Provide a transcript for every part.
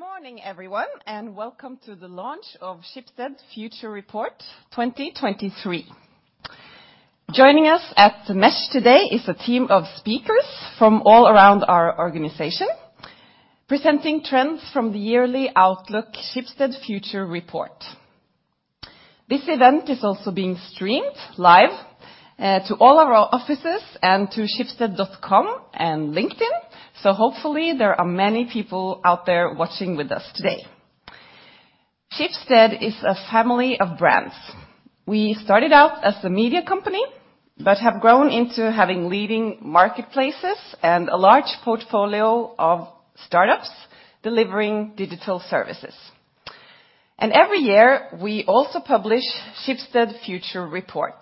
Good morning, everyone. Welcome to the launch of Schibsted Future Report 2023. Joining us at The Mesh today is a team of speakers from all around our organization, presenting trends from the yearly outlook, Schibsted Future Report. This event is also being streamed live to all of our offices and to schibsted.com and LinkedIn, so hopefully there are many people out there watching with us today. Schibsted is a family of brands. We started out as a media company, but have grown into having leading marketplaces and a large portfolio of startups delivering digital services. Every year, we also publish Schibsted Future Report.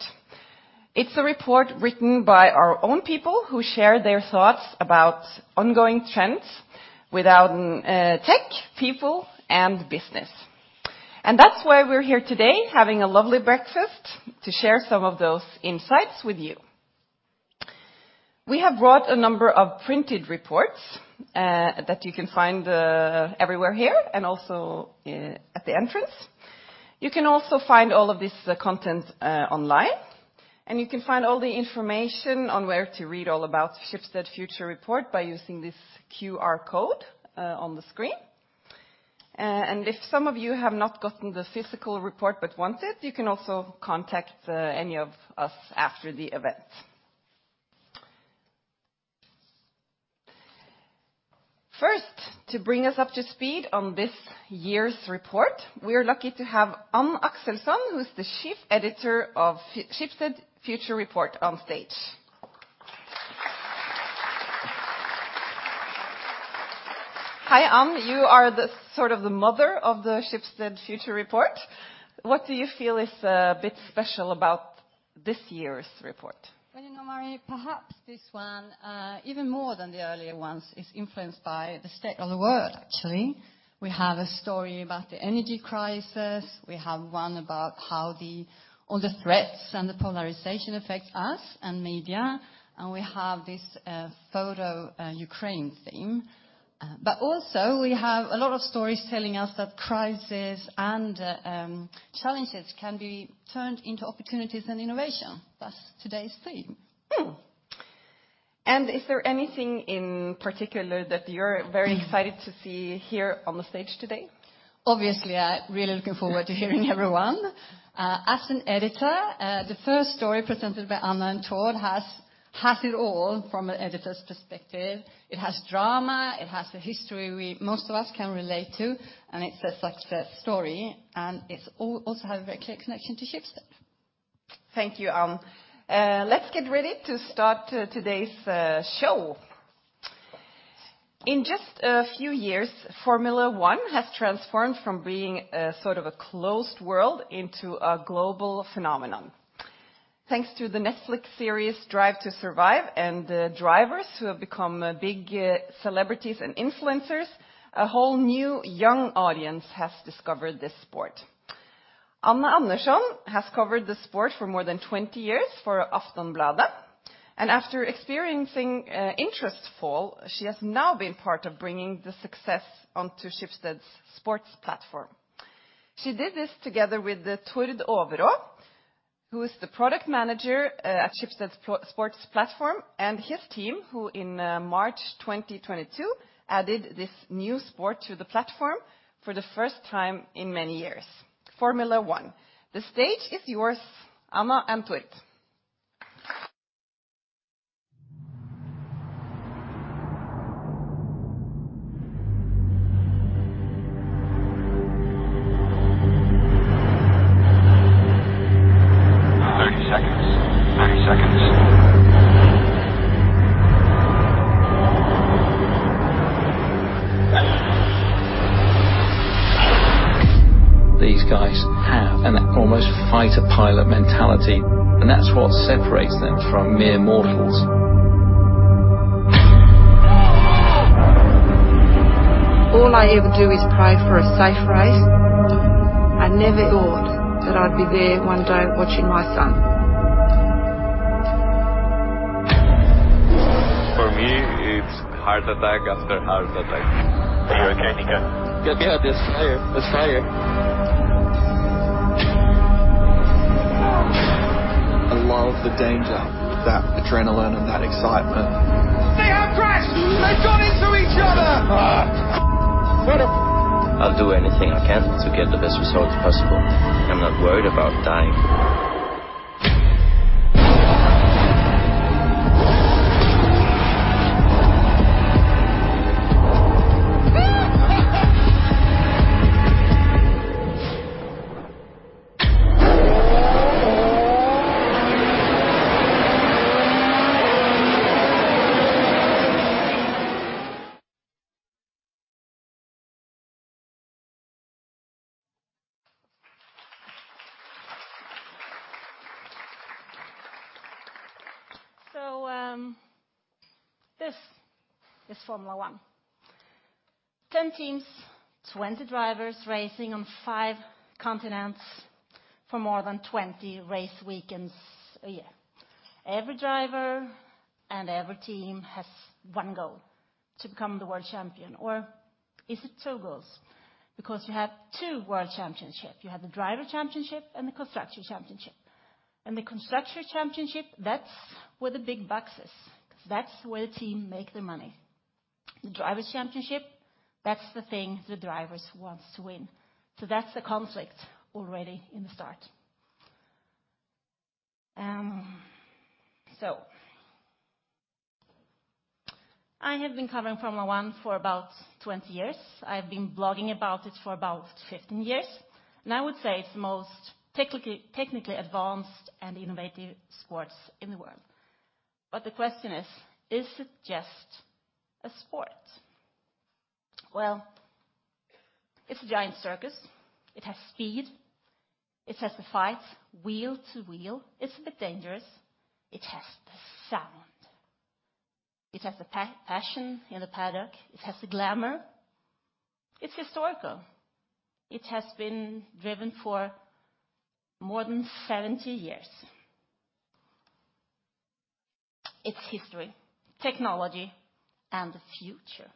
It's a report written by our own people, who share their thoughts about ongoing trends with our tech, people, and business. That's why we're here today, having a lovely breakfast to share some of those insights with you. We have brought a number of printed reports that you can find everywhere here and also at the entrance. You can also find all of this content online, you can find all the information on where to read all about Schibsted Future Report by using this QR code on the screen. If some of you have not gotten the physical report but want it, you can also contact any of us after the event. First, to bring us up to speed on this year's report, we are lucky to have Ann Axelsson, who's the chief editor of Schibsted Future Report on stage. Hi, Ann. You are the, sort of the mother of the Schibsted Future Report. What do you feel is a bit special about this year's report? Well, you know, Marie, perhaps this one, even more than the earlier ones, is influenced by the state of the world, actually. We have a story about the energy crisis. We have one about how the, all the threats and the polarization affect us and media, and we have this photo, Ukraine theme. Also we have a lot of stories telling us that crisis and challenges can be turned into opportunities and innovation, thus today's theme. Is there anything in particular that you're very excited to see here on the stage today? Obviously, I'm really looking forward to hearing everyone. As an editor, the first story presented by Anna and Torddd has it all from an editor's perspective. It has drama, it has a history most of us can relate to. It's a success story. It's also have a very clear connection to Schibsted. Thank you, Ann. Let's get ready to start today's show. In just a few years, Formula One has transformed from being a sort of a closed world into a global phenomenon. Thanks to the Netflix series Drive to Survive and the drivers who have become big celebrities and influencers, a whole new young audience has discovered this sport. Anna Andersson has covered the sport for more than 20 years for Aftonbladet, and after experiencing a interest fall, she has now been part of bringing the success onto Schibsted's sports platform. She did this together with Tord Overå, who is the product manager at Schibsted's sports platform, and his team, who in March 2022 added this new sport to the platform for the first time in many years, Formula One. The stage is yours, Anna and Torddd. 30 seconds. 30 seconds. These guys have an almost fighter pilot mentality, and that's what separates them from mere mortals. All I ever do is pray for a safe race. I never thought that I'd be there one day watching my son. For me, it's heart attack after heart attack. Are you okay, Nico? Get behind, yeah. There's fire. There's fire. I love the danger, that adrenaline and that excitement. They have crashed! They've got into each other. I'll do anything I can to get the best result possible. I'm not worried about dying. This is Formula One. 10 teams, 20 drivers racing on five continents for more than 20 race weekends a year Every driver and every team has one goal, to become the world champion. Is it two goals? Because you have two world championship, you have the driver championship and the constructor championship. The constructor championship, that's where the big bucks is, 'cause that's where the team make their money. The drivers championship, that's the thing the drivers wants to win. That's the conflict already in the start. I have been covering Formula One for about 20 years. I've been blogging about it for about 15 years, and I would say it's the most technically advanced and innovative sports in the world. The question is: Is it just a sport? Well, it's a giant circus. It has speed. It has the fights, wheel to wheel. It's a bit dangerous. It has the sound. It has the passion in the paddock. It has the glamour. It's historical. It has been driven for more than 70 years. It's history, technology, and the future.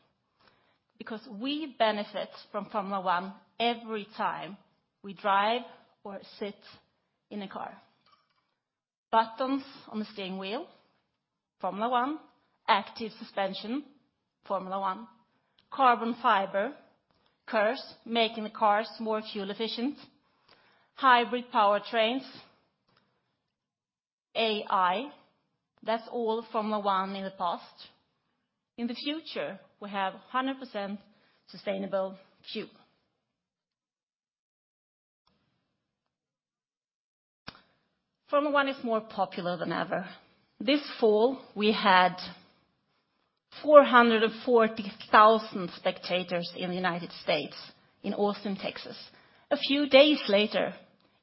We benefit from Formula One every time we drive or sit in a car. Buttons on the steering wheel, Formula One. Active suspension, Formula One. Carbon fiber, KERS making the cars more fuel efficient, hybrid powertrains, AI. That's all Formula One in the past. In the future, we have 100% sustainable fuel. Formula One is more popular than ever. This fall, we had 440,000 spectators in the United States, in Austin, Texas. A few days later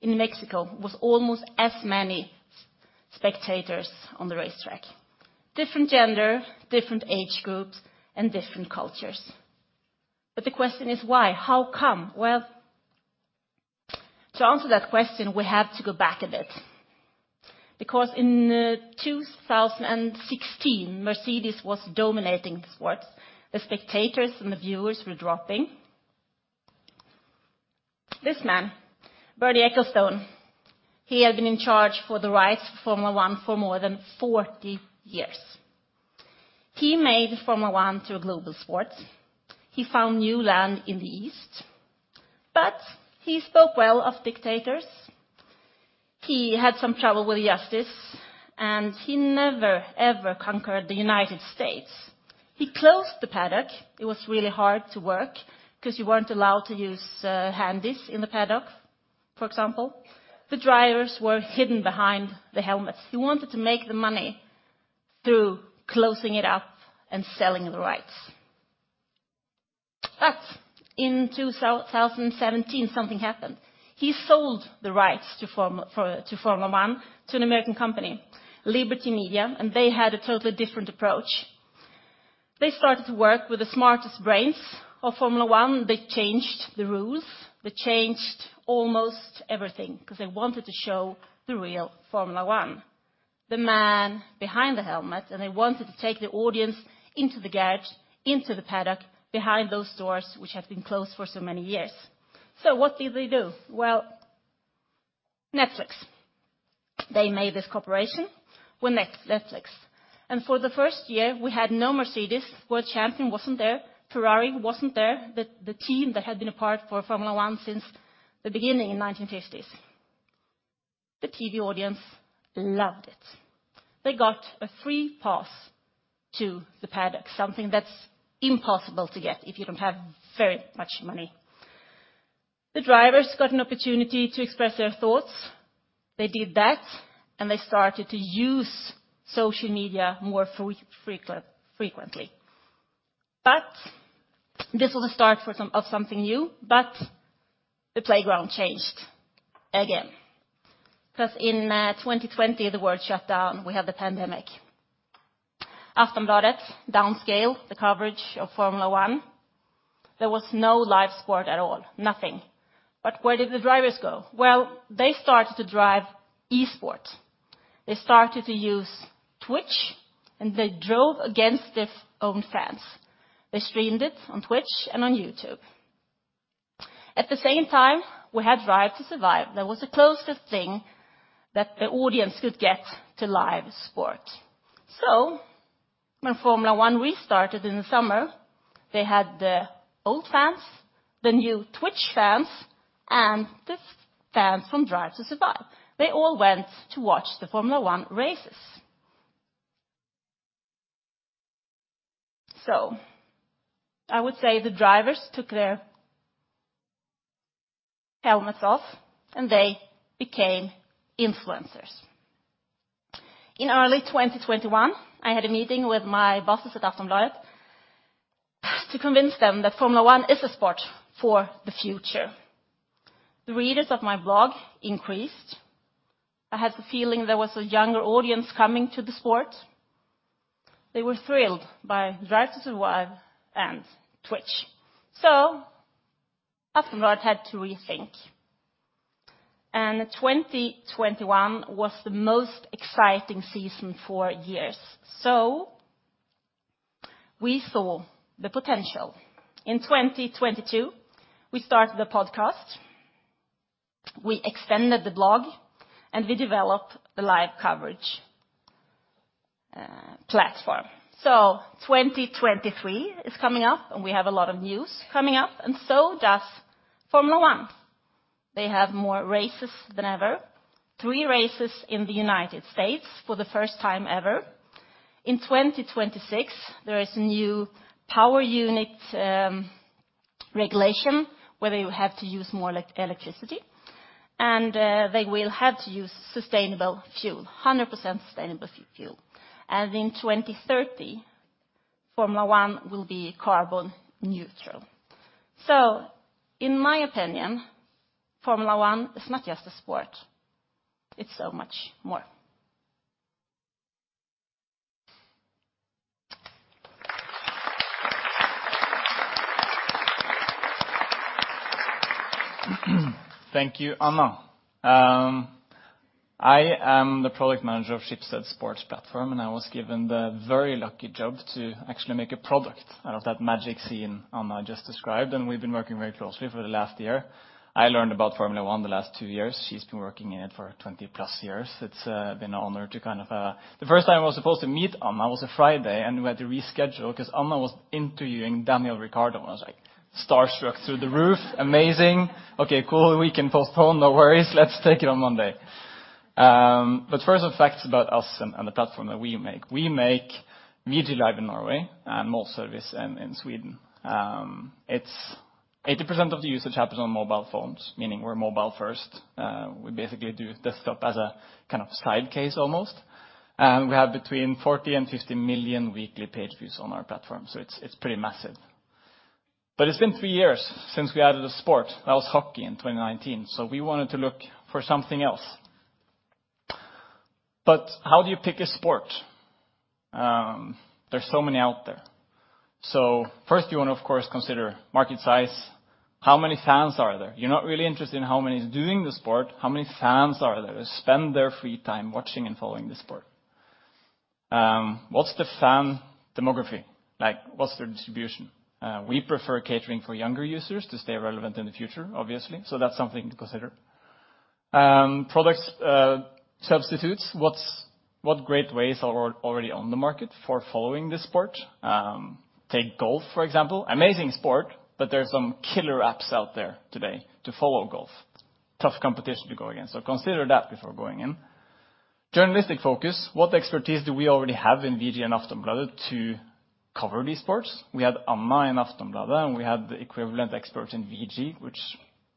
in Mexico was almost as many spectators on the racetrack, different gender, different age groups, and different cultures. The question is why? How come? Well, to answer that question, we have to go back a bit. In 2016, Mercedes was dominating the sports. The spectators and the viewers were dropping. This man, Bernie Ecclestone, he had been in charge for the rights for Formula One for more than 40 years. He made Formula One to a global sport. He found new land in the East, he spoke well of dictators. He had some trouble with the justice, he never, ever conquered the United States. He closed the paddock. It was really hard to work 'cause you weren't allowed to use handies in the paddock, for example. The drivers were hidden behind the helmets. He wanted to make the money through closing it up and selling the rights, in 2017, something happened. He sold the rights to Formula One to an American company, Liberty Media, they had a totally different approach. They started to work with the smartest brains of Formula One. They changed the rules. They changed almost everything because they wanted to show the real Formula One, the man behind the helmet, and they wanted to take the audience into the garage, into the paddock behind those doors which have been closed for so many years. What did they do? Well, Netflix. They made this cooperation with Netflix, and for the first year, we had no Mercedes. World Champion wasn't there. Ferrari wasn't there, the team that had been a part for Formula One since the beginning in 1950s. The TV audience loved it. They got a free pass to the paddock, something that's impossible to get if you don't have very much money. The drivers got an opportunity to express their thoughts. They did that, and they started to use social media more frequently. This was a start for something new, but the playground changed again. In 2020, the world shut down. We had the pandemic. Aftonbladet downscaled the coverage of Formula One. There was no live sport at all, nothing. Where did the drivers go? Well, they started to drive esports. They started to use Twitch, and they drove against their own fans. They streamed it on Twitch and on YouTube. At the same time, we had Drive to Survive. That was the closest thing that the audience could get to live sport. When Formula One restarted in the summer, they had the old fans, the new Twitch fans, and the fans from Drive to Survive. They all went to watch the Formula One races. I would say the drivers took their helmets off, and they became influencers. In early 2021, I had a meeting with my bosses at Aftonbladet to convince them that Formula One is a sport for the future. The readers of my blog increased. I had the feeling there was a younger audience coming to the sport. They were thrilled by Formula 1: Drive to Survive and Twitch. Aftonbladet had to rethink. 2021 was the most exciting season for years. We saw the potential. In 2022, we started the podcast, we extended the blog, and we developed the live coverage platform. 2023 is coming up, and we have a lot of news coming up, and so does Formula One. They have more races than ever, three races in the United States for the first time ever. In 2026, there is a new power unit regulation, where they will have to use more electricity, and they will have to use sustainable fuel, 100% sustainable fuel. In 2030, Formula One will be carbon neutral. In my opinion, Formula One is not just a sport, it's so much more. Thank you, Anna. I am the product manager of Schibsted's sports platform, and I was given the very lucky job to actually make a product out of that magic scene Anna just described, and we've been working very closely for the last year. I learned about Formula One the last two years. She's been working in it for 20-plus years. It's been an honor to kind of. The first time I was supposed to meet Anna was a Friday, and we had to reschedule 'cause Anna was interviewing Daniel Ricciardo, and I was like starstruck through the roof. Amazing. Okay, cool, we can postpone. No worries. Let's take it on Monday. First some facts about us and the platform that we make. We make VG Live in Norway and Målservice in Sweden. It's 80% of the usage happens on mobile phones, meaning we're mobile first. We basically do desktop as a kind of side case almost. We have between 40 and 50 million weekly page views on our platform, so it's pretty massive. It's been three years since we added a sport. That was hockey in 2019, so we wanted to look for something else. How do you pick a sport? There's so many out there. First you wanna, of course, consider market size. How many fans are there? You're not really interested in how many is doing the sport. How many fans are there who spend their free time watching and following the sport? What's the fan demography like? What's their distribution? We prefer catering for younger users to stay relevant in the future, obviously, that's something to consider. Products, substitutes. What great ways are already on the market for following this sport? Take golf, for example. Amazing sport, there are some killer apps out there today to follow golf. Tough competition to go against, consider that before going in. Journalistic focus. What expertise do we already have in VG and Aftonbladet to cover these sports? We had Anna in Aftonbladet, we had the equivalent experts in VG, which,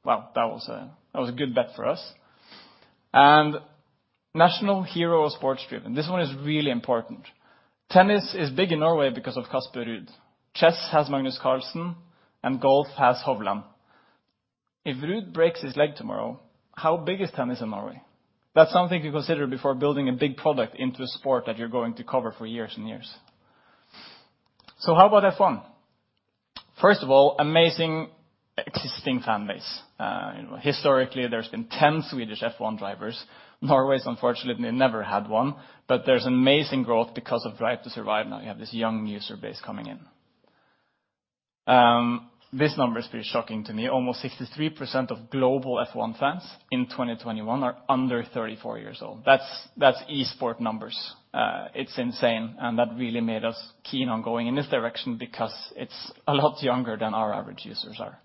wow, that was a good bet for us. National hero or sports driven. This one is really important. Tennis is big in Norway because of Casper Ruud. Chess has Magnus Carlsen, golf has Hovland. If Ruud breaks his leg tomorrow, how big is tennis in Norway? That's something to consider before building a big product into a sport that you're going to cover for years and years. How about F1? First of all, amazing existing fan base. Historically, there's been 10 Swedish F1 drivers. Norway's unfortunately never had one, but there's amazing growth because of Formula 1: Drive to Survive now. You have this young user base coming in. This number is pretty shocking to me. Almost 63% of global F1 fans in 2021 are under 34 years old. That's esport numbers. It's insane, and that really made us keen on going in this direction because it's a lot younger than our average users are.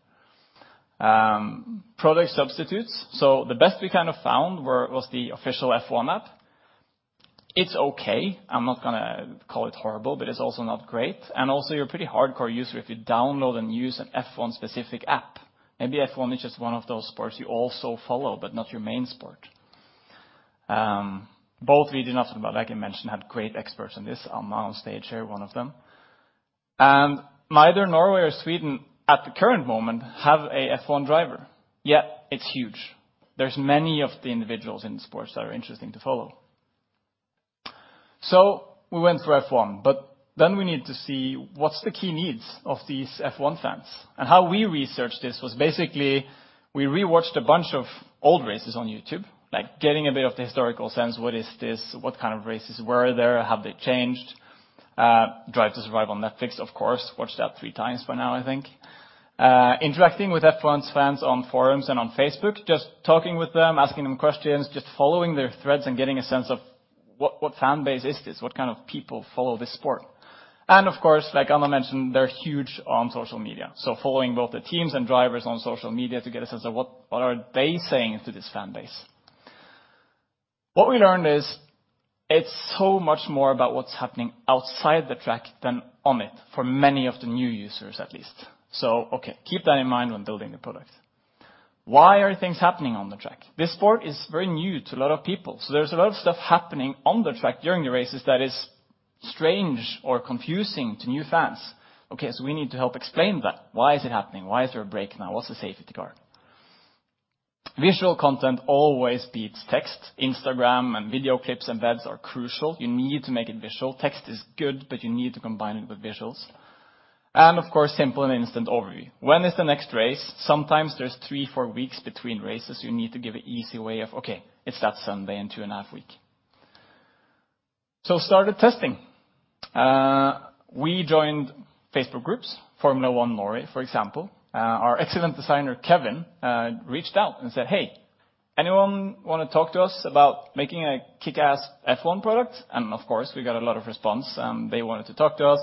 Product substitutes. The best we kind of found was the official F1 app. It's okay. I'm not gonna call it horrible, but it's also not great. Also you're a pretty hardcore user if you download and use an F1 specific app. Maybe F1 is just one of those sports you also follow, but not your main sport. Both VG and Aftonbladet, like I mentioned, had great experts in this. Anna on stage here, one of them. Neither Norway or Sweden at the current moment have a F1 driver, yet it's huge. There's many of the individuals in the sports that are interesting to follow. We went for F1, but then we need to see what's the key needs of these F1 fans. How we researched this was basically we re-watched a bunch of old races on YouTube, like getting a bit of the historical sense. What is this? What kind of races were there? Have they changed? Drive to Survive on Netflix, of course. Watched that three times by now, I think. Interacting with F1's fans on forums and on Facebook, just talking with them, asking them questions, just following their threads and getting a sense of what fan base is this? What kind of people follow this sport? Of course, like Anna mentioned, they're huge on social media, so following both the teams and drivers on social media to get a sense of what are they saying to this fan base. What we learned is it's so much more about what's happening outside the track than on it for many of the new users at least. Okay, keep that in mind when building the product. Why are things happening on the track? This sport is very new to a lot of people, so there's a lot of stuff happening on the track during the races that is strange or confusing to new fans. Okay, we need to help explain that. Why is it happening? Why is there a break now? What's the safety car? Visual content always beats text. Instagram and video clips embeds are crucial. You need to make it visual. Text is good, but you need to combine it with visuals. Of course, simple and instant overview. When is the next race? Sometimes there's 3, 4 weeks between races. You need to give an easy way of, okay, it's that Sunday in 2 and a half week. Started testing. We joined Facebook groups, Formula One Lane, for example. Our excellent designer, Kevin, reached out and said, "Hey, anyone wanna talk to us about making a kickass F1 product?" Of course, we got a lot of response, they wanted to talk to us,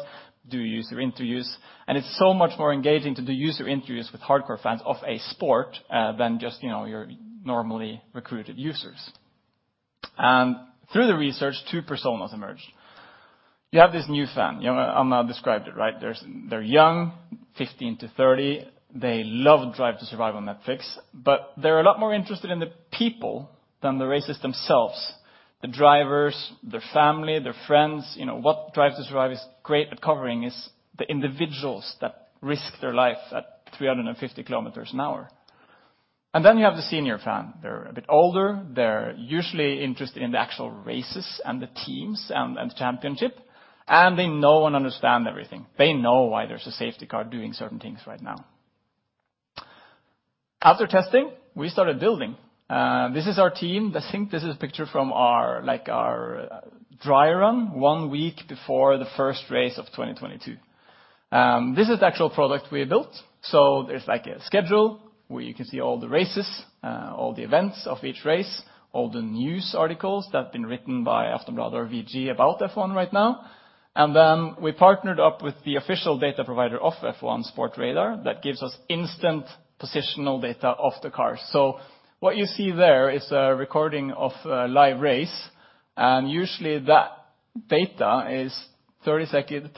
do user interviews. It's so much more engaging to do user interviews with hardcore fans of a sport than just, you know, your normally recruited users. Through the research, two personas emerged. You have this new fan. You know, Anna described it, right? They're young, 15-30. They love Drive to Survive on Netflix, but they're a lot more interested in the people than the races themselves, the drivers, their family, their friends. You know, what Drive to Survive is great at covering is the individuals that risk their life at 350 km an hour. You have the senior fan. They're a bit older. They're usually interested in the actual races and the teams and the championship, and they know and understand everything. They know why there's a safety car doing certain things right now. After testing, we started building. This is our team. I think this is a picture from our, like, our dry run one week before the first race of 2022. This is the actual product we built. There's, like, a schedule where you can see all the races, all the events of each race, all the news articles that have been written by Aftonbladet or VG about F1 right now. We partnered up with the official data provider of F1, Sportradar, that gives us instant positional data of the cars. What you see there is a recording of a live race, and usually that data is 30-60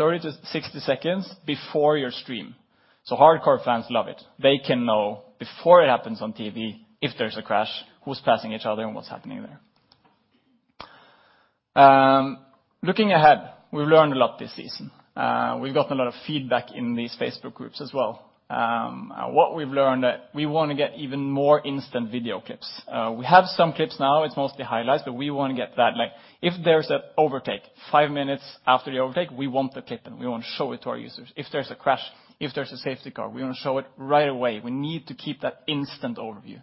seconds before your stream. Hardcore fans love it. They can know before it happens on TV if there's a crash, who's passing each other and what's happening there. Looking ahead, we've learned a lot this season. We've gotten a lot of feedback in these Facebook groups as well. What we've learned that we wanna get even more instant video clips. We have some clips now, it's mostly highlights, but we wanna get that, like, if there's an overtake, 5 minutes after the overtake, we want the clip and we want to show it to our users. If there's a crash, if there's a safety car, we wanna show it right away. We need to keep that instant overview.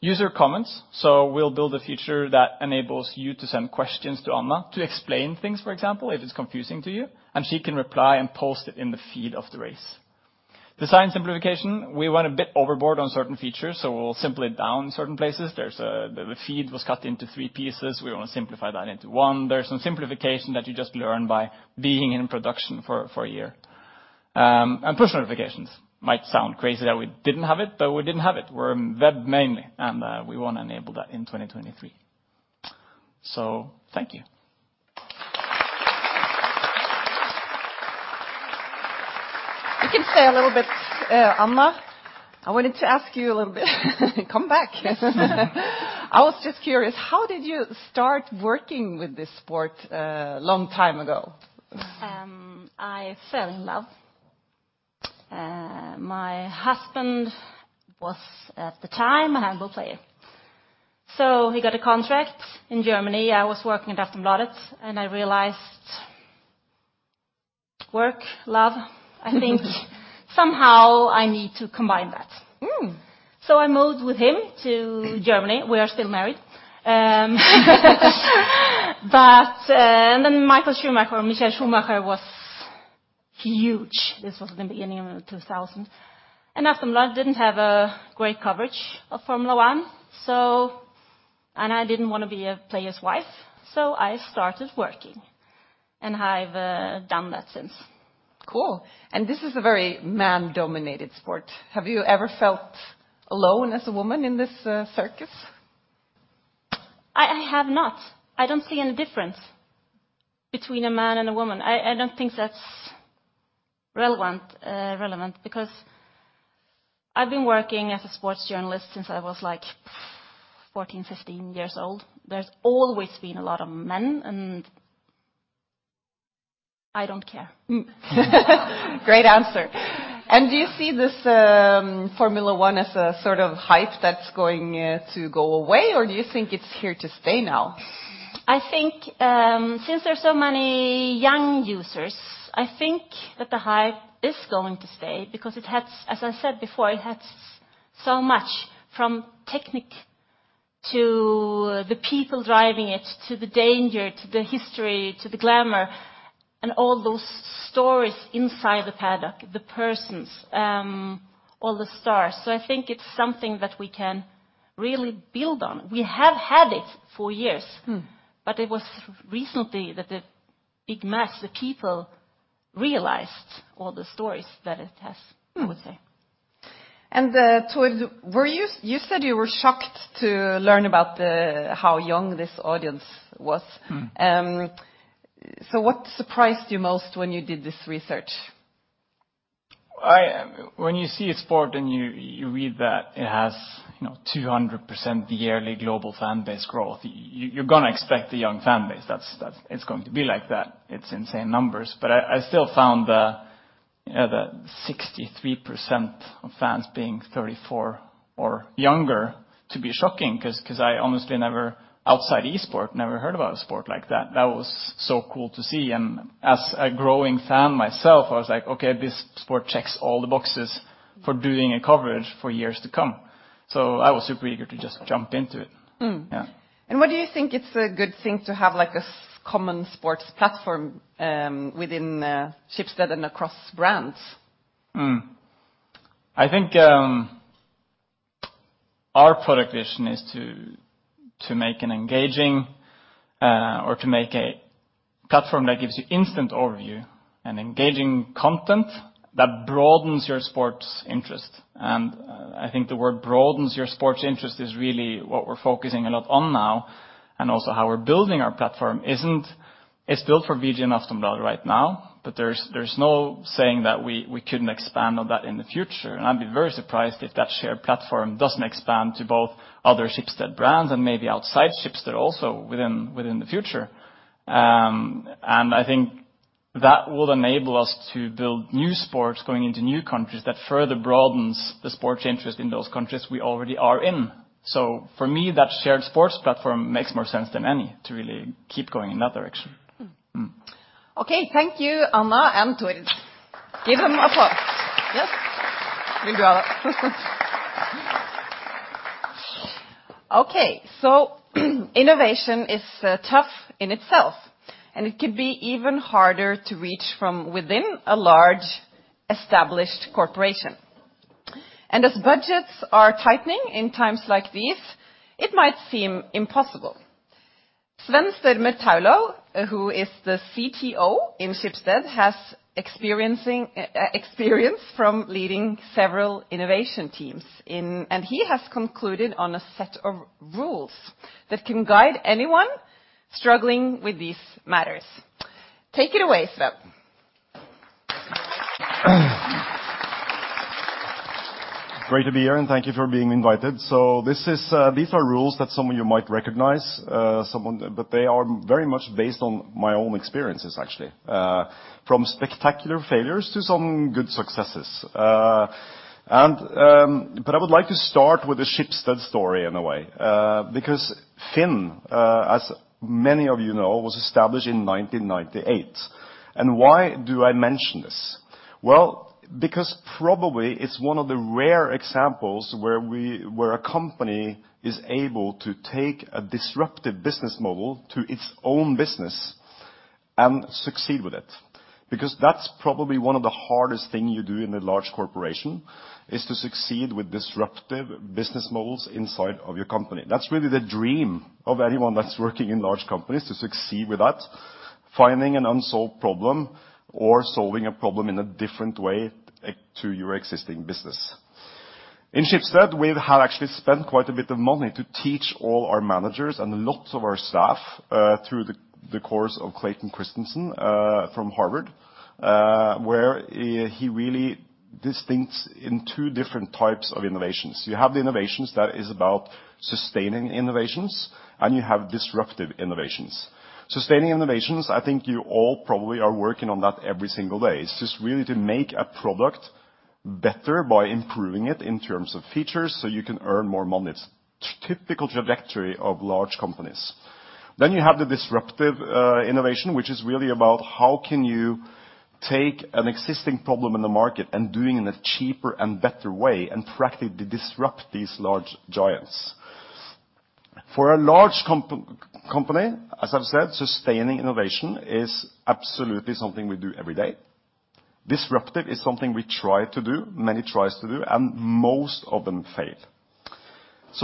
User comments, we'll build a feature that enables you to send questions to Anna to explain things, for example, if it's confusing to you, and she can reply and post it in the feed of the race. Design simplification, we went a bit overboard on certain features, so we'll simplify it down certain places. There's The feed was cut into 3 pieces. We wanna simplify that into 1. There's some simplification that you just learn by being in production for a year. Push notifications might sound crazy that we didn't have it, but we didn't have it. We're web mainly, and we wanna enable that in 2023. Thank you. You can stay a little bit, Anna. I wanted to ask you a little bit. Come back. I was just curious, how did you start working with this sport, long time ago? I fell in love. My husband was at the time a handball player. He got a contract in Germany. I was working at Aftonbladet. I realized work, love, I think somehow I need to combine that. Mm. I moved with him to Germany. We are still married. Then Michael Schumacher was huge. This was in the beginning of 2000. Aftonbladet didn't have a great coverage of Formula One, so... I didn't wanna be a player's wife, so I started working, and I've done that since. Cool. This is a very man-dominated sport. Have you ever felt alone as a woman in this circus? I have not. I don't see any difference between a man and a woman. I don't think that's relevant because I've been working as a sports journalist since I was, like, 14, 15 years old. There's always been a lot of men. I don't care. Great answer. Do you see this, Formula One as a sort of hype that's going to go away, or do you think it's here to stay now? I think, since there's so many young users, I think that the hype is going to stay because it has, as I said before, it has so much from technique to the people driving it, to the danger, to the history, to the glamour and all those stories inside the paddock, the persons, all the stars. I think it's something that we can really build on. We have had it for years. Mm It was recently that the big mass, the people realized all the stories that it has. Mm... I would say. Tordd, You said you were shocked to learn about the, how young this audience was. Mm. What surprised you most when you did this research? When you see a sport and you read that it has, you know, 200% yearly global fan base growth, you're gonna expect a young fan base. That's. It's going to be like that. It's insane numbers. I still found Yeah, the 63% of fans being 34 or younger to be shocking, 'cause I honestly never, outside esports, never heard of a sport like that. That was so cool to see. As a growing fan myself, I was like, "Okay, this sport checks all the boxes for doing a coverage for years to come." I was super eager to just jump into it. Mm. Yeah. What do you think it's a good thing to have, like, a common sports platform, within Schibsted and across brands? I think our product vision is to make an engaging or to make a platform that gives you instant overview and engaging content that broadens your sports interest. I think the word broadens your sports interest is really what we're focusing a lot on now and also how we're building our platform. It's built for VG and Aftonbladet right now, but there's no saying that we couldn't expand on that in the future. I'd be very surprised if that shared platform doesn't expand to both other Schibsted brands and maybe outside Schibsted also within the future. I think that will enable us to build new sports going into new countries that further broadens the sports interest in those countries we already are in. For me, that shared sports platform makes more sense than any to really keep going in that direction. Mm. Mm. Thank you, Anna and Tordd. Give them applause. We do that. Innovation is tough in itself, and it could be even harder to reach from within a large established corporation. As budgets are tightening in times like these, it might seem impossible. Sven Størmer Thaulow, who is the CTO in Schibsted, has experience from leading several innovation teams in... He has concluded on a set of rules that can guide anyone struggling with these matters. Take it away, Sven. Great to be here, thank you for being invited. This is, these are rules that some of you might recognize. They are very much based on my own experiences, actually, from spectacular failures to some good successes. I would like to start with the Schibsted story in a way, because Finn, as many of you know, was established in 1998. Why do I mention this? Because probably it's one of the rare examples where a company is able to take a disruptive business model to its own business and succeed with it. Because that's probably one of the hardest thing you do in a large corporation, is to succeed with disruptive business models inside of your company. That's really the dream of anyone that's working in large companies, to succeed with that, finding an unsolved problem or solving a problem in a different way, to your existing business. In Schibsted, we have actually spent quite a bit of money to teach all our managers and lots of our staff, through the course of Clayton Christensen, from Harvard, where he really distincts in 2 different types of innovations. You have the innovations that is about sustaining innovations, and you have disruptive innovations. Sustaining innovations, I think you all probably are working on that every single day. It's just really to make a product better by improving it in terms of features, so you can earn more money. It's typical trajectory of large companies. You have the disruptive innovation, which is really about how can you take an existing problem in the market and doing in a cheaper and better way and practically disrupt these large giants. For a large company, as I've said, sustaining innovation is absolutely something we do every day. Disruptive is something we try to do, many tries to do, and most of them fail.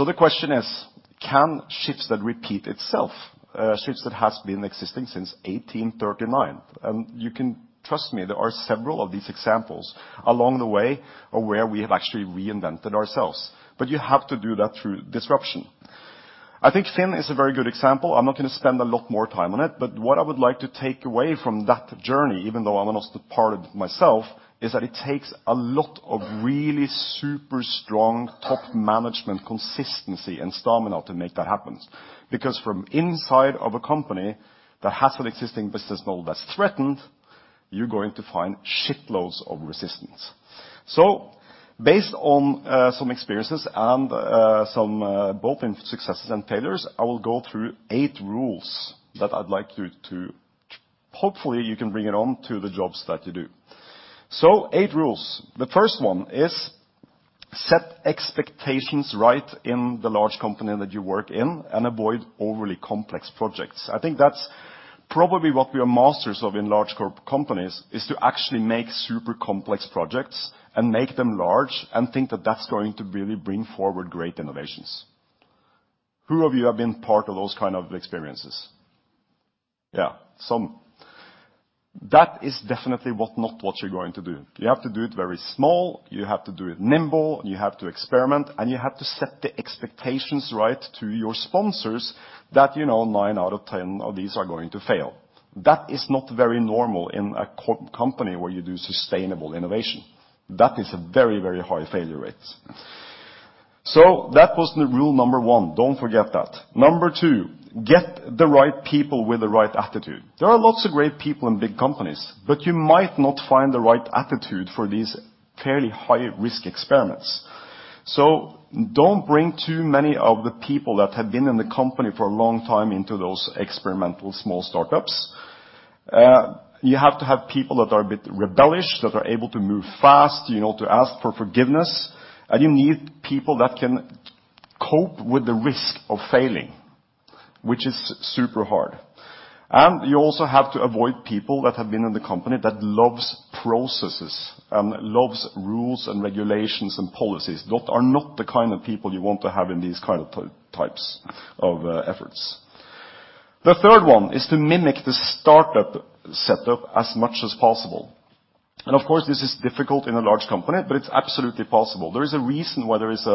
The question is: Can Schibsted repeat itself? Schibsted has been existing since 1839, and you can trust me, there are several of these examples along the way of where we have actually reinvented ourselves, but you have to do that through disruption. I think Finn is a very good example. I'm not gonna spend a lot more time on it, what I would like to take away from that journey, even though I'm not a part of it myself, is that it takes a lot of really super strong top management consistency and stamina to make that happen. From inside of a company that has an existing business model that's threatened, you're going to find shitloads of resistance. Based on, some experiences and, some, both in successes and failures, I will go through eight rules that I'd like you to... Hopefully, you can bring it on to the jobs that you do. Eight rules. The first one is set expectations right in the large company that you work in and avoid overly complex projects. I think that's probably what we are masters of in large corp, companies, is to actually make super complex projects and make them large and think that that's going to really bring forward great innovations. Who of you have been part of those kind of experiences? Yeah, some. That is definitely what, not what you're going to do. You have to do it very small. You have to do it nimble. You have to experiment. You have to set the expectations right to your sponsors that, you know, 9 out of 10 of these are going to fail. That is not very normal in a company where you do sustainable innovation. That is a very, very high failure rate. That was the rule number 1. Don't forget that. Number 2, get the right people with the right attitude. There are lots of great people in big companies, but you might not find the right attitude for these fairly high-risk experiments. Don't bring too many of the people that have been in the company for a long time into those experimental small startups. You have to have people that are a bit rebellious, that are able to move fast, you know, to ask for forgiveness, and you need people that can cope with the risk of failing, which is super hard. You also have to avoid people that have been in the company that loves processes and loves rules and regulations and policies. Those are not the kind of people you want to have in these kind of types of efforts. The third one is to mimic the startup setup as much as possible. Of course, this is difficult in a large company, but it's absolutely possible. There is a reason why there is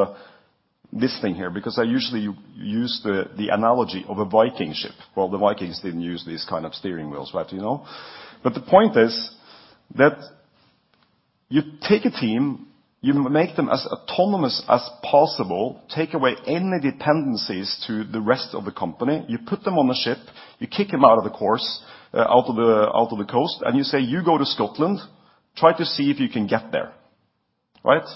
this thing here, because I usually use the analogy of a Viking ship. Well, the Vikings didn't use these kind of steering wheels, right? You know? The point is that you take a team, you make them as autonomous as possible, take away any dependencies to the rest of the company. You put them on the ship, you kick them out of the course, out of the coast, and you say, "You go to Scotland. Try to see if you can get there." Right?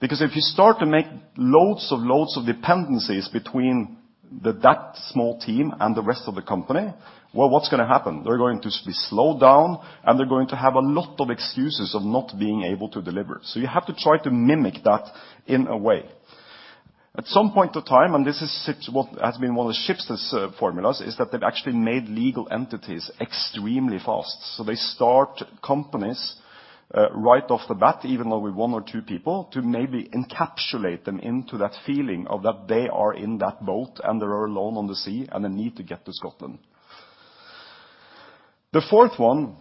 If you start to make loads and loads of dependencies between that small team and the rest of the company, well, what's gonna happen? They're going to be slowed down, and they're going to have a lot of excuses of not being able to deliver. You have to try to mimic that in a way. At some point of time, and this is what has been one of the Shipsta's formulas, is that they've actually made legal entities extremely fast. They start companies right off the bat, even though with one or two people, to maybe encapsulate them into that feeling of that they are in that boat, and they are alone on the sea, and they need to get to Scotland. The fourth one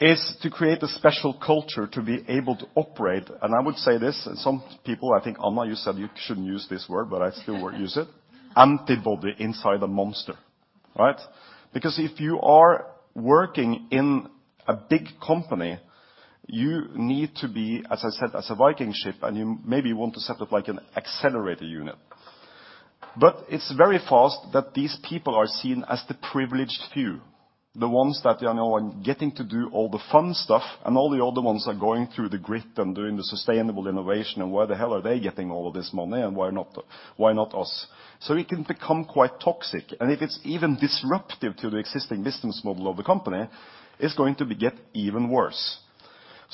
is to create a special culture to be able to operate, and I would say this, and some people, I think, Anna, you said you shouldn't use this word, but I still will use it, antibody inside a monster, right? If you are working in a big company, you need to be, as I said, as a Viking ship, and you maybe want to set up like an accelerator unit. It's very fast that these people are seen as the privileged few, the ones that they are now getting to do all the fun stuff, and all the other ones are going through the grit and doing the sustainable innovation and why the hell are they getting all of this money, and why not, why not us? It can become quite toxic. If it's even disruptive to the existing business model of the company, it's going to get even worse.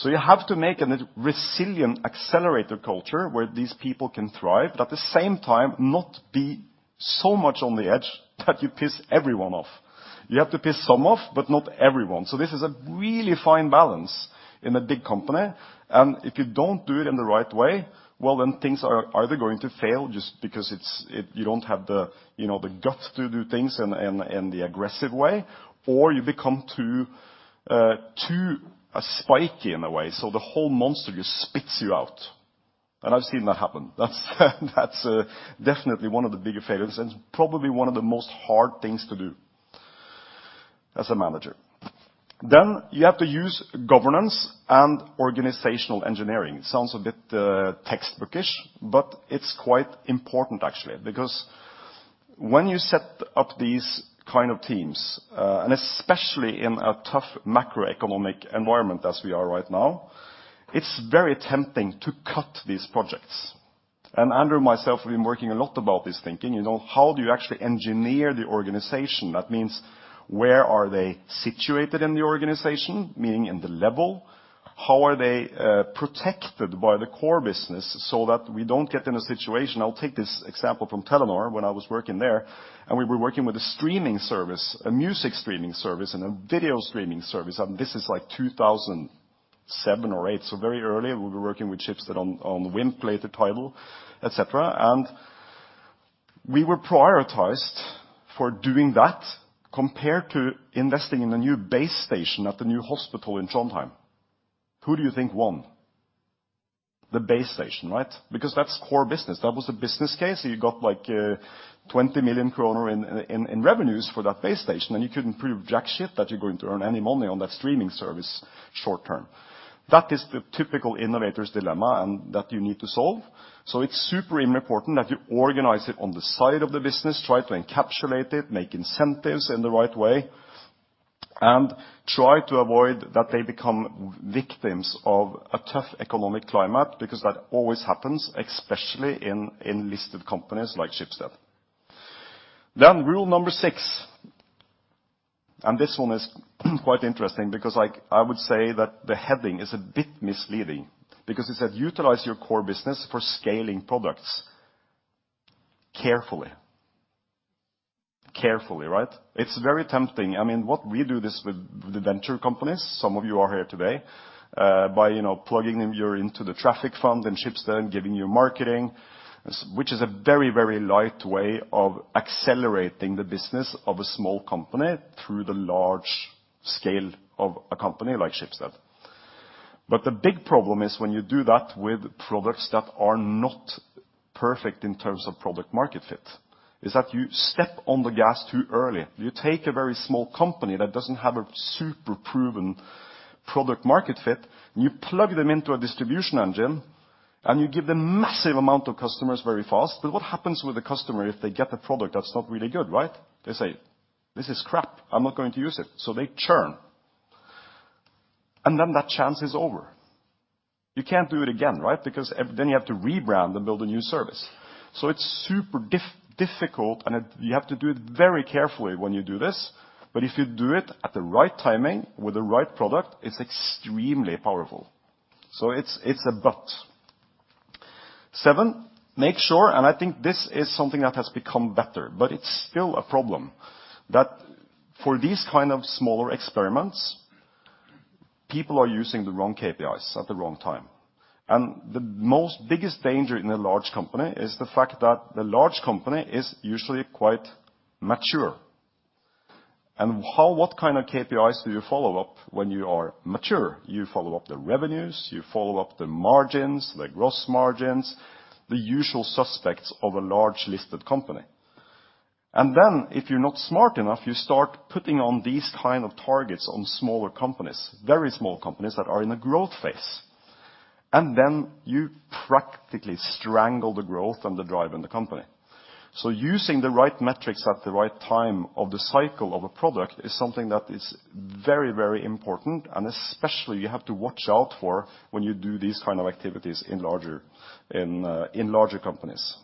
You have to make a resilient accelerator culture where these people can thrive, but at the same time, not be so much on the edge that you piss everyone off. You have to piss some off, but not everyone. This is a really fine balance in a big company, and if you don't do it in the right way, well, then things are either going to fail just because you don't have the, you know, the gut to do things in the aggressive way, or you become too spiky in a way, so the whole monster just spits you out. I've seen that happen. That's definitely one of the bigger failures, and probably one of the most hard things to do as a manager. You have to use governance and organizational engineering. Sounds a bit textbook-ish, but it's quite important actually, because when you set up these kind of teams, and especially in a tough macroeconomic environment as we are right now, it's very tempting to cut these projects. Andrew and myself have been working a lot about this thinking, you know. How do you actually engineer the organization? That means where are they situated in the organization, meaning in the level. How are they protected by the core business so that we don't get in a situation? I'll take this example from Telenor when I was working there, and we were working with a streaming service, a music streaming service and a video streaming service, and this is like 2007 or 2008, so very early. We were working with Schibsted on the WiMP, Play, Tidal, et cetera. We were prioritized for doing that compared to investing in a new base station at the new hospital in Trondheim. Who do you think won? The base station, right? That's core business. That was a business case. You got like 20 million kroner in revenues for that base station, you couldn't prove that you're going to earn any money on that streaming service short-term. That is the typical Innovator's Dilemma that you need to solve. It's super important that you organize it on the side of the business, try to encapsulate it, make incentives in the right way, and try to avoid that they become victims of a tough economic climate, because that always happens, especially in listed companies like Schibsted. Rule number six, this one is quite interesting because I would say that the heading is a bit misleading because it said, utilize your core business for scaling products carefully. Carefully, right? It's very tempting. I mean, what we do this with the venture companies, some of you are here today, by, you know, plugging them your into the traffic fund and Schibsted and giving you marketing, which is a very, very light way of accelerating the business of a small company through the large scale of a company like Schibsted. The big problem is when you do that with products that are not perfect in terms of product-market fit is that you step on the gas too early. You take a very small company that doesn't have a super proven product-market fit. You plug them into a distribution engine, and you give them massive amount of customers very fast. What happens with the customer if they get a product that's not really good, right? They say, "This is crap. I'm not going to use it." They churn. That chance is over. You can't do it again, right? Because then you have to rebrand and build a new service. It's super difficult, and you have to do it very carefully when you do this. If you do it at the right timing with the right product, it's extremely powerful. It's a but. 7, make sure, and I think this is something that has become better, but it's still a problem, that for these kind of smaller experiments, people are using the wrong KPIs at the wrong time. The most biggest danger in a large company is the fact that the large company is usually quite mature. What kind of KPIs do you follow up when you are mature? You follow up the revenues, you follow up the margins, the gross margins, the usual suspects of a large listed company. If you're not smart enough, you start putting on these kind of targets on smaller companies, very small companies that are in the growth phase. Then you practically strangle the growth and the drive in the company. Using the right metrics at the right time of the cycle of a product is something that is very, very important, and especially you have to watch out for when you do these kind of activities in larger, in larger companies.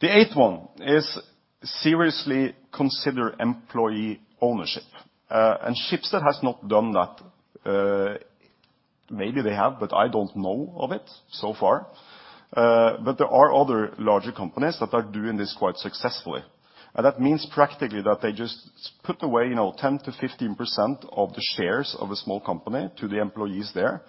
The eighth one is seriously consider employee ownership. Schibsted has not done that. Maybe they have, but I don't know of it so far. There are other larger companies that are doing this quite successfully. That means practically that they just put away, you know, 10%-15% of the shares of a small company to the employees there,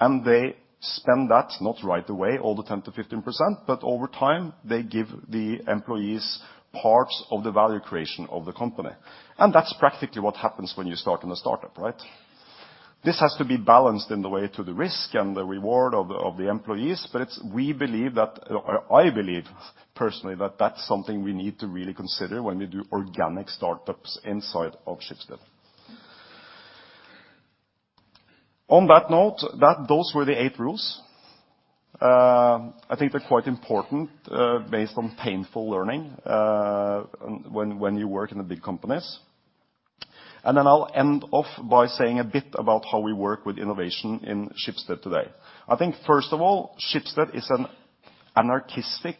and they spend that, not right away, all the 10%-15%, but over time, they give the employees parts of the value creation of the company. That's practically what happens when you start in a startup, right? This has to be balanced in the way to the risk and the reward of the employees. I believe personally that that's something we need to really consider when we do organic startups inside of Schibsted. On that note, those were the eight rules. I think they're quite important, based on painful learning, when you work in the big companies. I'll end off by saying a bit about how we work with innovation in Schibsted today. I think, first of all, Schibsted is an anarchistic,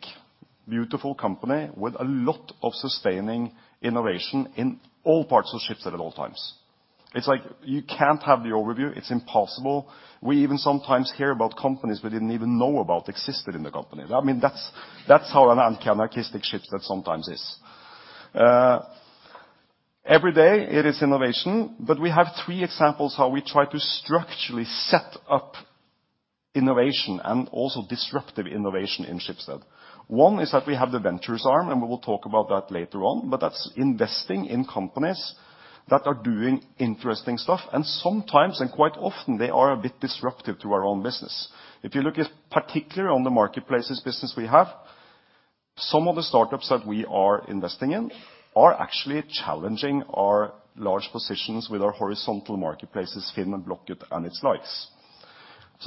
beautiful company with a lot of sustaining innovation in all parts of Schibsted at all times. It's like you can't have the overview. It's impossible. We even sometimes hear about companies we didn't even know about existed in the company. I mean, that's how anarchistic Schibsted sometimes is. Every day it is innovation, we have three examples how we try to structurally set up innovation and also disruptive innovation in Schibsted. One is that we have the ventures arm, we will talk about that later on, that's investing in companies that are doing interesting stuff, sometimes quite often they are a bit disruptive to our own business. If you look at particularly on the marketplaces business we have, some of the startups that we are investing in are actually challenging our large positions with our horizontal marketplaces, Finn and Blocket, and its likes.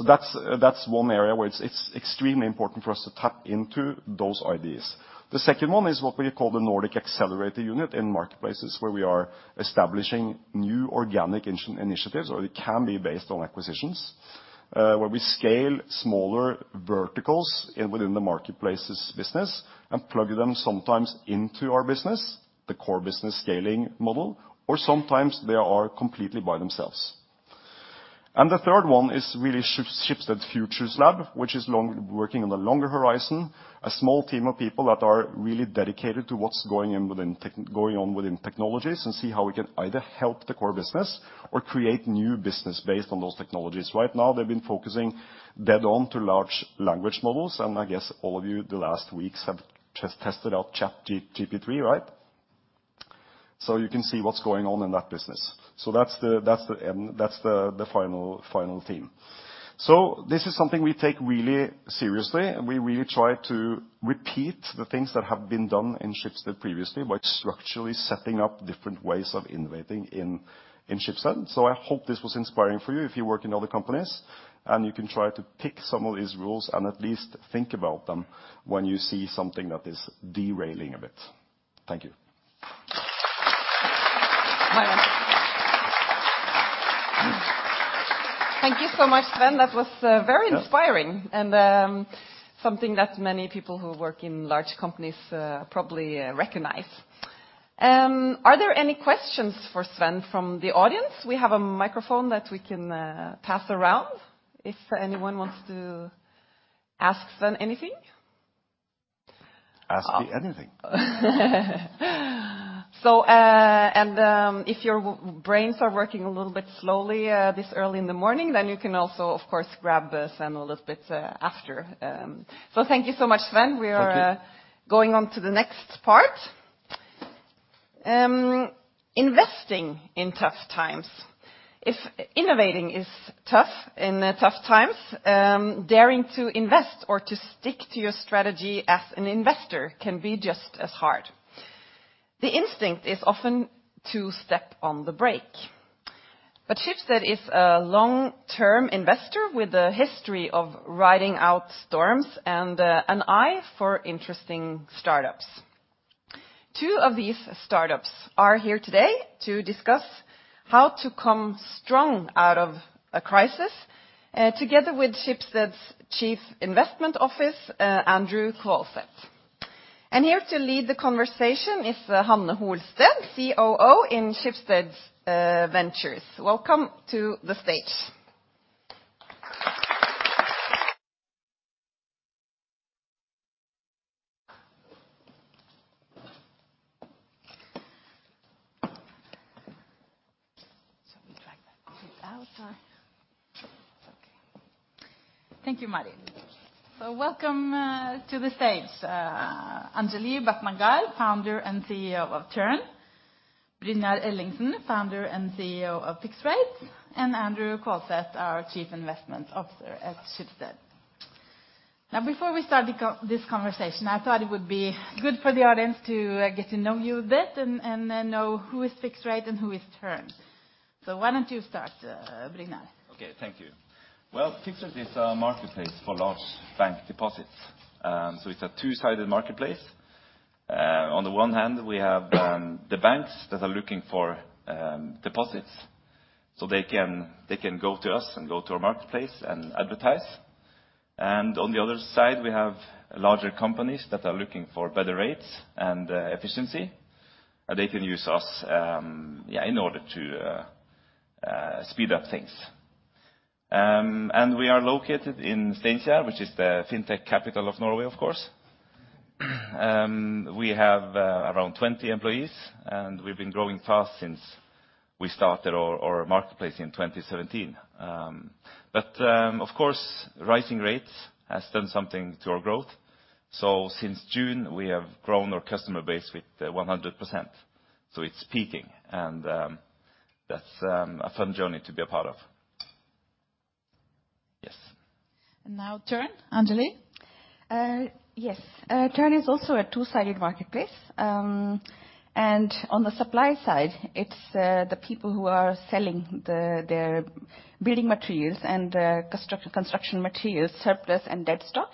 That's one area where it's extremely important for us to tap into those ideas. The second one is what we call the Nordic Accelerator unit in marketplaces where we are establishing new organic initiatives, or it can be based on acquisitions, where we scale smaller verticals within the marketplaces business and plug them sometimes into our business, the core business scaling model, or sometimes they are completely by themselves. The third one is really Schibsted Futures Lab, which is working on the longer horizon, a small team of people that are really dedicated to what's going on within technologies and see how we can either help the core business or create new business based on those technologies. Right now, they've been focusing dead on to large language models, and I guess all of you the last weeks have tested out GPT-3, right? You can see what's going on in that business. That's the end, that's the final team. This is something we take really seriously, and we really try to repeat the things that have been done in Schibsted previously by structurally setting up different ways of innovating in Schibsted. I hope this was inspiring for you if you work in other companies, and you can try to pick some of these rules and at least think about them when you see something that is derailing a bit. Thank you. Hi. Thank you so much, Sven. That was very inspiring. Yeah... and, something that many people who work in large companies, probably, recognize. Are there any questions for Sven from the audience? We have a microphone that we can pass around if anyone wants to ask Sven anything. Ask me anything. If your brains are working a little bit slowly, this early in the morning, then you can also of course grab Sven a little bit, after. Thank you so much, Sven. Thank you. We are going on to the next part. Investing in tough times. If innovating is tough in tough times, daring to invest or to stick to your strategy as an investor can be just as hard. The instinct is often to step on the brake. Schibsted is a long-term investor with a history of riding out storms and an eye for interesting startups. Two of these startups are here today to discuss how to come strong out of a crisis, together with Schibsted's Chief Investment Officer, Andrew Kvålseth. Here to lead the conversation is Hanne Holsted, COO, Schibsted Ventures. Welcome to the stage. Shall we drag that bit out or... Okay. Thank you, Marie. Welcome to the stage, Anjali Bhatnagar, Founder and CEO of Tørn. Brynjar Ellingsen, Founder and CEO of Fixrate, and Andrew Kvålseth, our Chief Investment Officer at Schibsted. Before we start this conversation, I thought it would be good for the audience to get to know you a bit and then know who is Fixrate and who is Tørn. Why don't you start, Brynjar? Thank you. Fixrate is a marketplace for large bank deposits. It's a two-sided marketplace. On the one hand, we have the banks that are looking for deposits, they can go to us and go to our marketplace and advertise. On the other side, we have larger companies that are looking for better rates and efficiency. They can use us in order to speed up things. We are located in Steinkjer, which is the fintech capital of Norway, of course. We have around 20 employees, and we've been growing fast since we started our marketplace in 2017. Of course, rising rates has done something to our growth. Since June, we have grown our customer base with 100%. It's peaking and, that's, a fun journey to be a part of. Yes. now Tørn, Anjali. Yes. Tørn is also a two-sided marketplace. On the supply side, it's the people who are selling the, their building materials and construction materials, surplus and dead stock.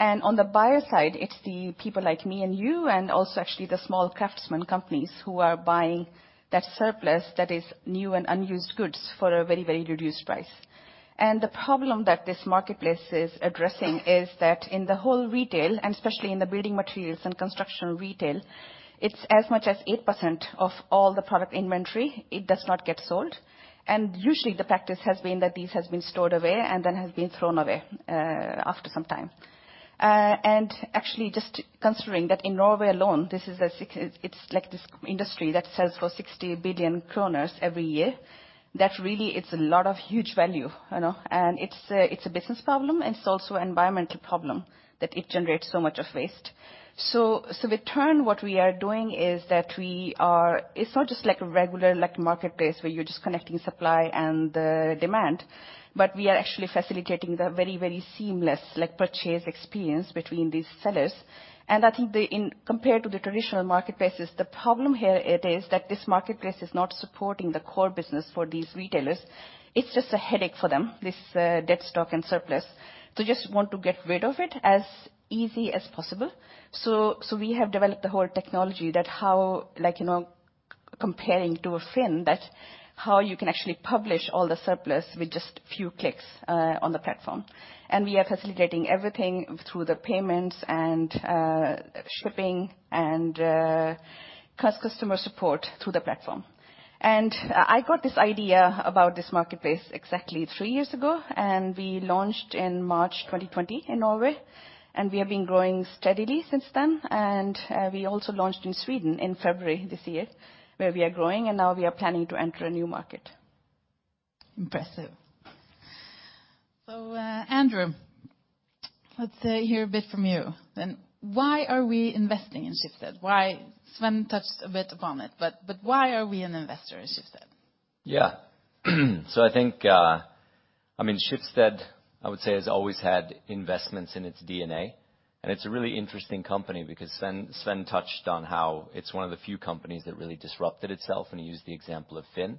On the buyer side, it's the people like me and you and also actually the small craftsman companies who are buying that surplus that is new and unused goods for a very, very reduced price. The problem that this marketplace is addressing is that in the whole retail, and especially in the building materials and construction retail, it's as much as 8% of all the product inventory, it does not get sold. Usually the practice has been that these has been stored away and then has been thrown away after some time. Actually, just considering that in Norway alone, this is it's like this industry that sells for 60 billion kroner every year, that really it's a lot of huge value, you know. It's a business problem, and it's also an environmental problem that it generates so much of waste. With Tørn, what we are doing is that we are It's not just like a regular, like, marketplace where you're just connecting supply and the demand, but we are actually facilitating the very, very seamless, like, purchase experience between these sellers. I think the compared to the traditional marketplaces, the problem here it is that this marketplace is not supporting the core business for these retailers. It's just a headache for them, this dead stock and surplus. Just want to get rid of it as easy as possible. we have developed the whole technology that how, like, you know, comparing to a Finn, that how you can actually publish all the surplus with just few clicks on the platform. We are facilitating everything through the payments and shipping and customer support through the platform. I got this idea about this marketplace exactly three years ago, and we launched in March 2020 in Norway, and we have been growing steadily since then. We also launched in Sweden in February this year, where we are growing, and now we are planning to enter a new market. Impressive. Andrew, let's hear a bit from you then. Why are we investing in Schibsted? Sven touched a bit upon it, but why are we an investor in Schibsted? Yeah. I think, I mean, Schibsted, I would say, has always had investments in its DNA, and it's a really interesting company because Sven touched on how it's one of the few companies that really disrupted itself, and he used the example of Finn.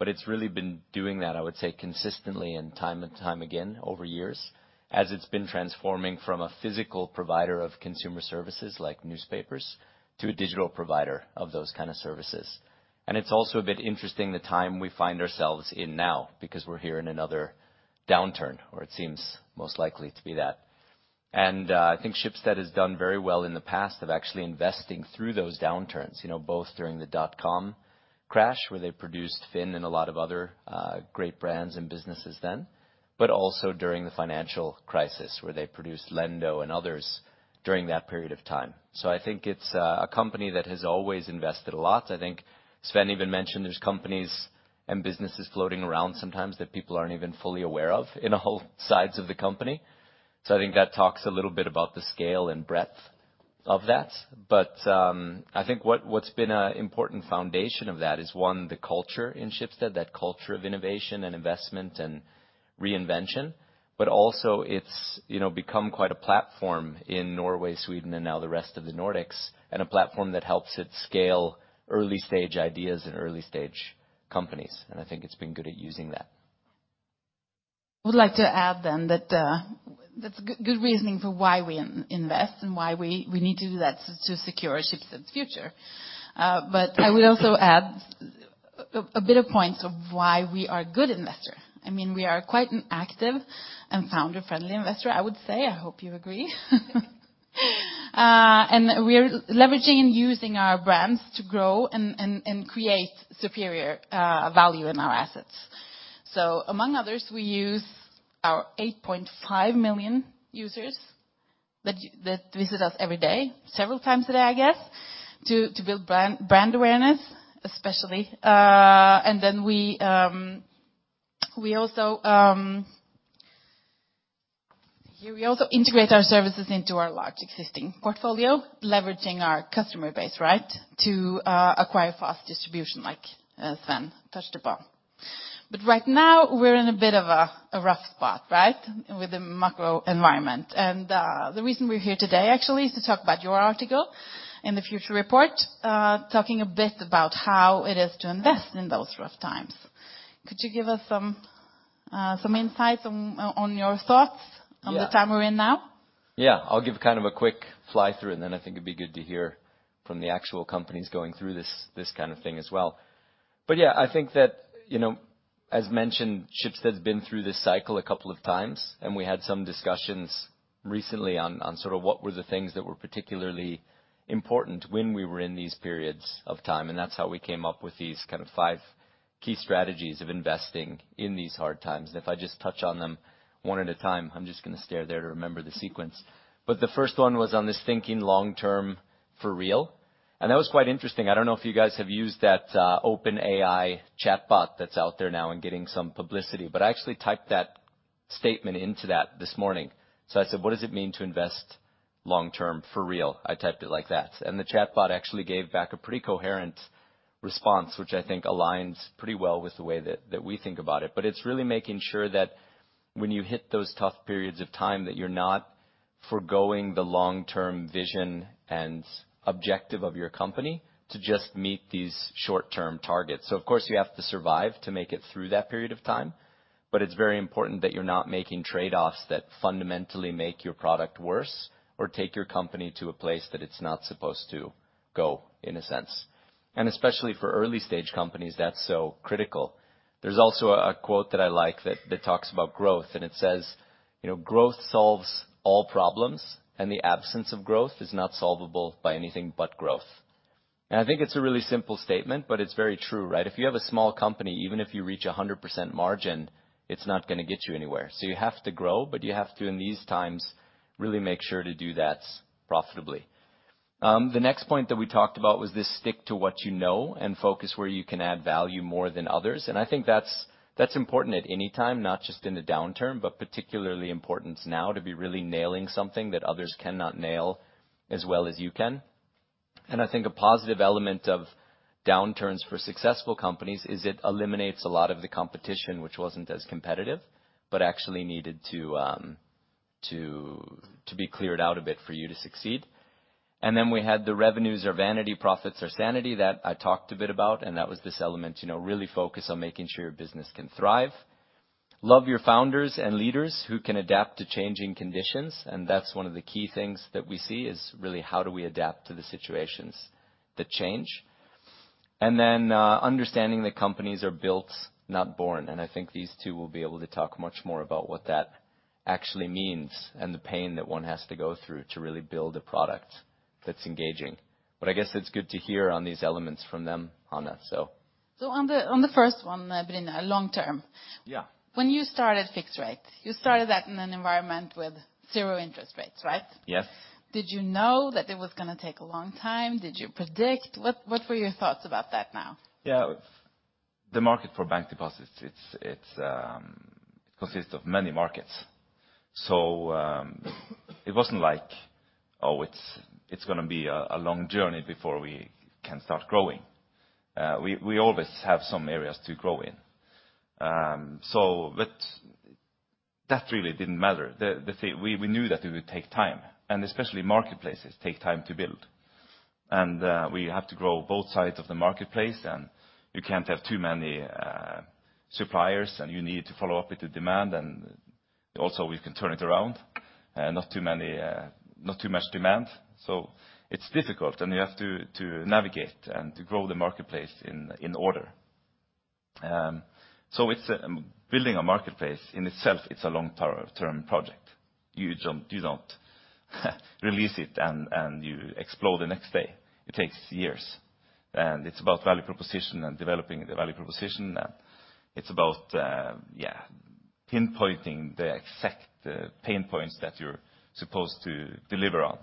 It's really been doing that, I would say, consistently and time and time again over years, as it's been transforming from a physical provider of consumer services like newspapers to a digital provider of those kind of services. It's also a bit interesting the time we find ourselves in now, because we're here in another downturn, or it seems most likely to be that. I think Schibsted has done very well in the past of actually investing through those downturns, you know, both during the dotcom crash, where they produced Finn and a lot of other great brands and businesses then, but also during the financial crisis, where they produced Lendo and others during that period of time. I think it's a company that has always invested a lot. I think Sven even mentioned there's companies and businesses floating around sometimes that people aren't even fully aware of in all sides of the company. I think that talks a little bit about the scale and breadth of that. I think what's been an important foundation of that is, one, the culture in Schibsted, that culture of innovation and investment and reinvention. Also it's, you know, become quite a platform in Norway, Sweden and now the rest of the Nordics, and a platform that helps it scale early-stage ideas and early-stage companies, and I think it's been good at using that. Would like to add that's good reasoning for why we invest and why we need to do that to secure Schibsted's future. I would also add a bit of points of why we are a good investor. I mean, we are quite an active and founder-friendly investor, I would say. I hope you agree. We are leveraging and using our brands to grow and create superior value in our assets. Among others, we use our 8.5 million users that visit us every day, several times a day, I guess, to build brand awareness, especially. We also integrate our services into our large existing portfolio, leveraging our customer base, right, to acquire fast distribution like Sven touched upon. Right now, we're in a bit of a rough spot, right, with the macro environment. The reason we're here today actually is to talk about your article in the Future Report, talking a bit about how it is to invest in those rough times. Could you give us some insights on your thoughts. Yeah. on the time we're in now? Yeah. I'll give kind of a quick fly-through, then I think it'd be good to hear from the actual companies going through this kind of thing as well. Yeah, I think that, you know, as mentioned, Schibsted's been through this cycle a couple of times, we had some discussions recently on sort of what were the things that were particularly important when we were in these periods of time, and that's how we came up with these kind of five key strategies of investing in these hard times. If I just touch on them one at a time, I'm just gonna stare there to remember the sequence. The first one was on this thinking long-term for real, that was quite interesting. I don't know if you guys have used that OpenAI chatbot that's out there now and getting some publicity, but I actually typed that statement into that this morning. I said, "What does it mean to invest long-term for real?" I typed it like that. The chatbot actually gave back a pretty coherent response, which I think aligns pretty well with the way that we think about it. It's really making sure that when you hit those tough periods of time, that you're not foregoing the long-term vision and objective of your company to just meet these short-term targets. Of course you have to survive to make it through that period of time, but it's very important that you're not making trade-offs that fundamentally make your product worse or take your company to a place that it's not supposed to go, in a sense. Especially for early-stage companies, that's so critical. There's also a quote that I like that talks about growth, and it says, you know, "Growth solves all problems, and the absence of growth is not solvable by anything but growth." I think it's a really simple statement, but it's very true, right? If you have a small company, even if you reach a 100% margin, it's not gonna get you anywhere. You have to grow, but you have to, in these times, really make sure to do that profitably. The next point that we talked about was this stick to what you know and focus where you can add value more than others. I think that's important at any time, not just in a downturn, but particularly important now to be really nailing something that others cannot nail as well as you can. I think a positive element of downturns for successful companies is it eliminates a lot of the competition which wasn't as competitive, but actually needed to be cleared out a bit for you to succeed. Then we had the revenues or vanity profits or sanity that I talked a bit about, and that was this element, you know, really focus on making sure your business can thrive. Love your founders and leaders who can adapt to changing conditions, and that's one of the key things that we see is really how do we adapt to the situations that change. Understanding that companies are built, not born, and I think these two will be able to talk much more about what that actually means and the pain that one has to go through to really build a product that's engaging. I guess it's good to hear on these elements from them, Anna, so. On the first one, Brynn, long-term. Yeah. When you started Fixrate, you started that in an environment with zero interest rates, right? Yes. Did you know that it was gonna take a long time? Did you predict? What, what were your thoughts about that now? Yeah. The market for bank deposits, it's consists of many markets. it wasn't like, oh, it's gonna be a long journey before we can start growing. we always have some areas to grow in. that really didn't matter. We knew that it would take time, especially marketplaces take time to build. we have to grow both sides of the marketplace, you can't have too many suppliers, you need to follow up with the demand and also we can turn it around, not too many, not too much demand. it's difficult, you have to navigate and to grow the marketplace in order. it's building a marketplace in itself, it's a long term project. You don't release it and you explode the next day. It takes years. It's about value proposition and developing the value proposition. It's about, yeah, pinpointing the exact pain points that you're supposed to deliver on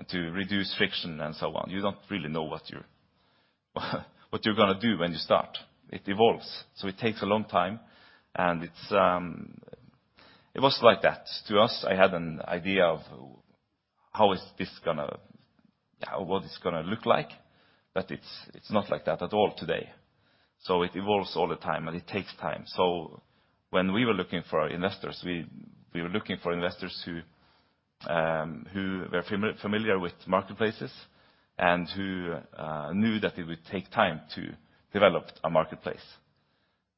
and to reduce friction and so on. You don't really know what you're gonna do when you start, it evolves. It takes a long time, and it's. It was like that to us. I had an idea of what it's gonna look like, but it's not like that at all today. It evolves all the time, and it takes time. When we were looking for investors, we were looking for investors who were familiar with marketplaces and who knew that it would take time to develop a marketplace.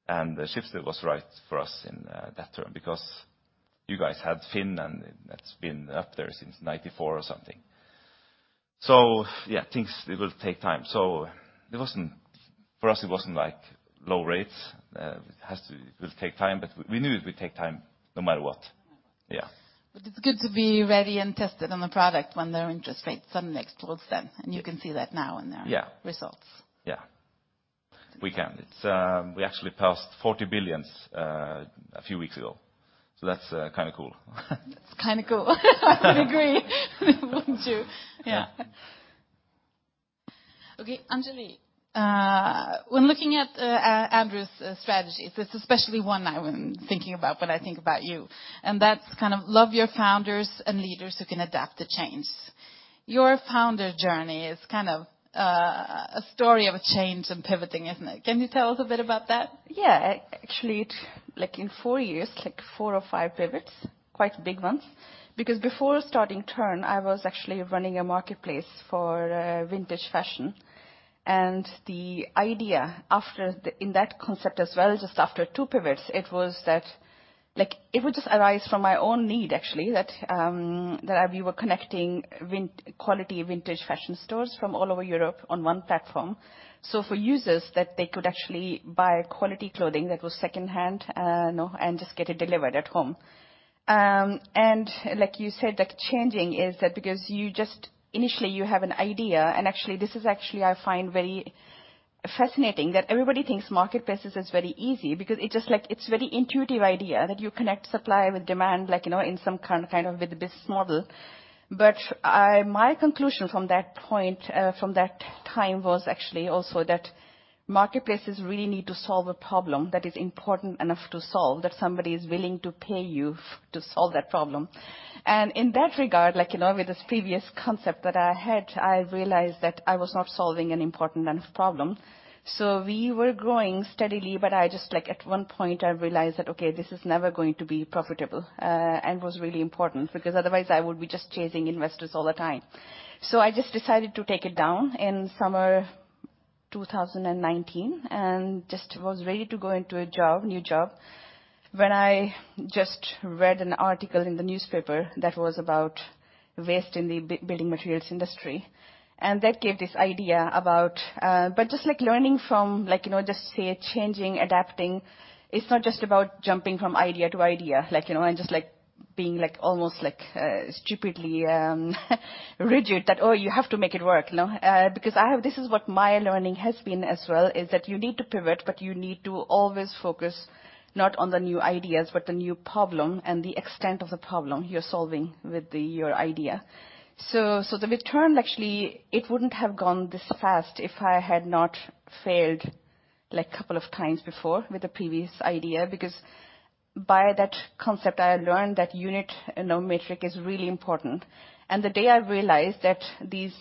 Schibsted was right for us in that term because you guys had Finn and that's been up there since 1994 or something. Yeah, things it will take time. For us, it wasn't like low rates. It will take time, but we knew it would take time no matter what. Yeah. It's good to be ready and tested on the product when their interest rates suddenly explodes then, and you can see that now in their. Yeah. -results. Yeah. We can. It's... We actually passed 40 billions a few weeks ago, that's kinda cool. It's kinda cool. I agree. Wouldn't you? Yeah. Yeah. Okay, Anjali, when looking at Andrew's strategy, there's especially one I'm thinking about when I think about you, and that's kind of love your founders and leaders who can adapt to change. Your founder journey is kind of a story of a change and pivoting, isn't it? Can you tell us a bit about that? Yeah. Actually, like in four years, like four or five pivots, quite big ones. Before starting Tørn, I was actually running a marketplace for vintage fashion. The idea after the In that concept as well, just after two pivots, it was that, like, it would just arise from my own need actually, that we were connecting quality vintage fashion stores from all over Europe on one platform. For users that they could actually buy quality clothing that was secondhand, you know, and just get it delivered at home. Like you said, like changing is that because you just initially you have an idea, and actually this is actually I find very fascinating that everybody thinks marketplaces is very easy because it's just like it's very intuitive idea that you connect supply with demand, like, you know, in some kind of with the business model. My conclusion from that point, from that time was actually also that marketplaces really need to solve a problem that is important enough to solve, that somebody is willing to pay you to solve that problem. In that regard, like, you know, with this previous concept that I had, I realized that I was not solving an important enough problem. We were growing steadily, but I just, like, at one point, I realized that, okay, this is never going to be profitable, and was really important because otherwise I would be just chasing investors all the time. I just decided to take it down in summer 2019 and just was ready to go into a job, new job, when I just read an article in the newspaper that was about waste in the building materials industry. That gave this idea about. Just like learning from, like, you know, just say changing, adapting, it's not just about jumping from idea to idea. Like, you know, and just, like being like almost like, stupidly rigid that, oh, you have to make it work, you know. Because I have... This is what my learning has been as well, is that you need to pivot, but you need to always focus not on the new ideas, but the new problem and the extent of the problem you're solving with your idea. The return actually it wouldn't have gone this fast if I had not failed like a couple of times before with the previous idea, because by that concept, I learned that unit, you know, metric is really important. The day I realized that these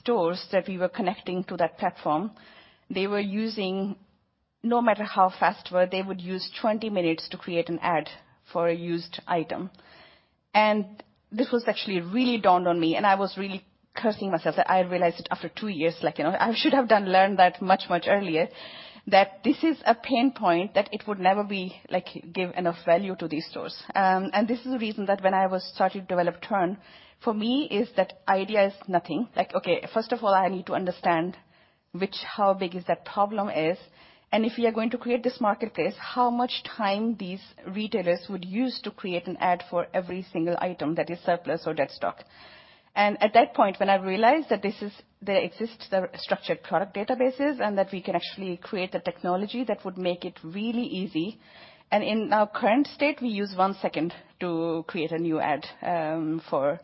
stores that we were connecting to that platform, they were using, no matter how fast we were, they would use 20 minutes to create an ad for a used item. This was actually really dawned on me, and I was really cursing myself that I realized it after 2 years. Like, you know, I should have learned that much, much earlier. That this is a pain point that it would never be, like, give enough value to these stores. This is the reason that when I was starting to develop Tørn, for me is that idea is nothing. Like, okay, first of all, I need to understand how big is that problem is, and if we are going to create this marketplace, how much time these retailers would use to create an ad for every single item that is surplus or dead stock. At that point, when I realized that there exists, the structured product databases and that we can actually create a technology that would make it really easy. In our current state, we use 1 second to create a new ad for...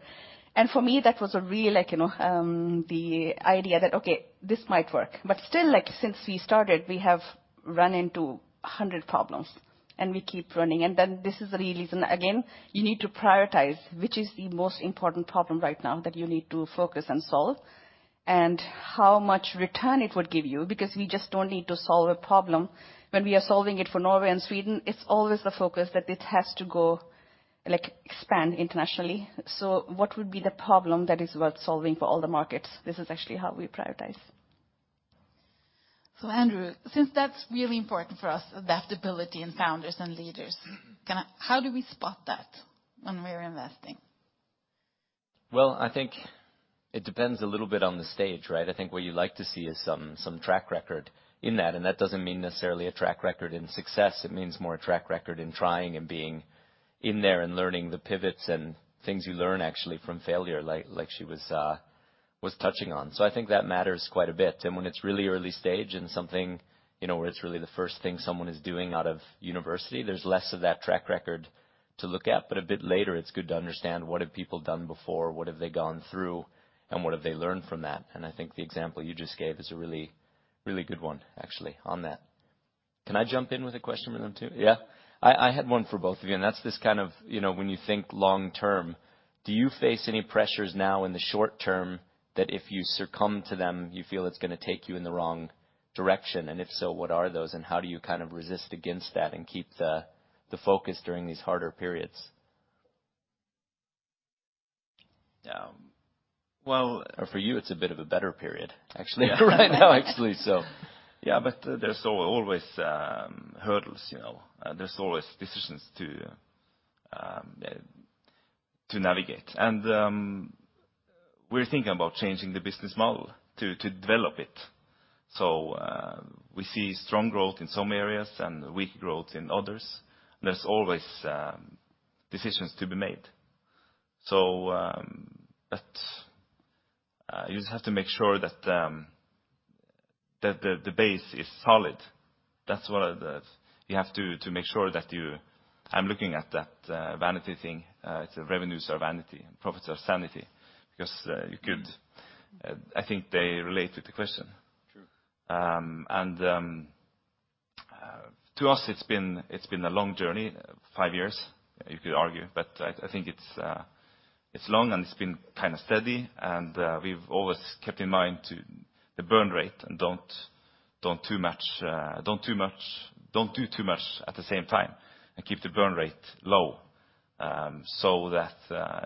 For me, that was a real, like, you know, the idea that, okay, this might work. Still, like, since we started, we have run into 100 problems and we keep running. This is the real reason. Again, you need to prioritize which is the most important problem right now that you need to focus and solve, and how much return it would give you because we just don't need to solve a problem. When we are solving it for Norway and Sweden, it's always the focus that it has to go, like expand internationally. What would be the problem that is worth solving for all the markets? This is actually how we prioritize. Andrew Kvålseth, since that's really important for us, adaptability in founders and leaders, kinda how do we spot that when we're investing? Well, I think it depends a little bit on the stage, right? I think what you like to see is some track record in that, and that doesn't mean necessarily a track record in success. It means more a track record in trying and being in there and learning the pivots and things you learn actually from failure like she was touching on. I think that matters quite a bit. When it's really early stage and something, you know, where it's really the first thing someone is doing out of university, there's less of that track record to look at. A bit later it's good to understand what have people done before, what have they gone through, and what have they learned from that. I think the example you just gave is a really, really good one actually on that. Can I jump in with a question for them too? Yeah. I had one for both of you, that's just kind of, you know, when you think long term, do you face any pressures now in the short term that if you succumb to them, you feel it's gonna take you in the wrong direction? If so, what are those and how do you kind of resist against that and keep the focus during these harder periods? Um, well- For you, it's a bit of a better period, actually. Right now, actually so. There's always hurdles, you know. There's always decisions to navigate. We're thinking about changing the business model to develop it. We see strong growth in some areas and weak growth in others, and there's always decisions to be made. You just have to make sure that the base is solid. That's one of the. I'm looking at that vanity thing. It's revenues are vanity and profits are sanity. You could. I think they relate with the question. True. To us, it's been a long journey, 5 years, you could argue. I think it's long and it's been kind of steady, we've always kept in mind to the burn rate and don't do too much at the same time, and keep the burn rate low, so that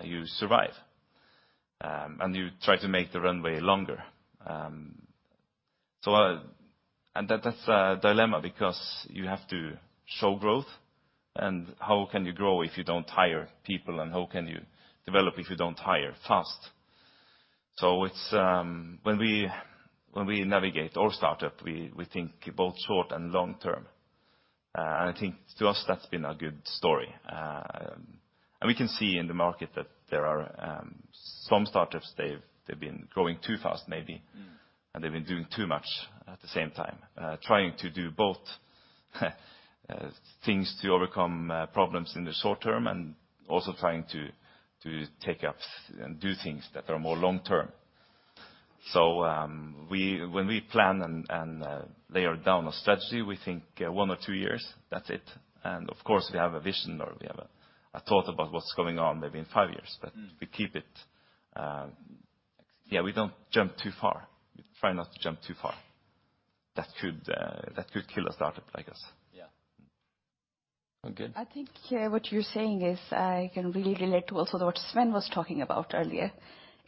you survive. And you try to make the runway longer. And that's a dilemma because you have to show growth. How can you grow if you don't hire people? How can you develop if you don't hire fast? It's When we navigate our startup, we think both short and long term. And I think to us that's been a good story. We can see in the market that there are some startups, they've been growing too fast maybe. Mm. They've been doing too much at the same time, trying to do both, things to overcome, problems in the short term and also trying to take up and do things that are more long term. When we plan and layer down a strategy, we think one or two years, that's it. Of course, we have a vision or we have a thought about what's going on maybe in five years. Mm. We keep it, Yeah, we don't jump too far. We try not to jump too far. That could that could kill a startup, I guess. Yeah. Oh, good. I think, yeah, what you're saying is I can really relate to also what Sven was talking about earlier,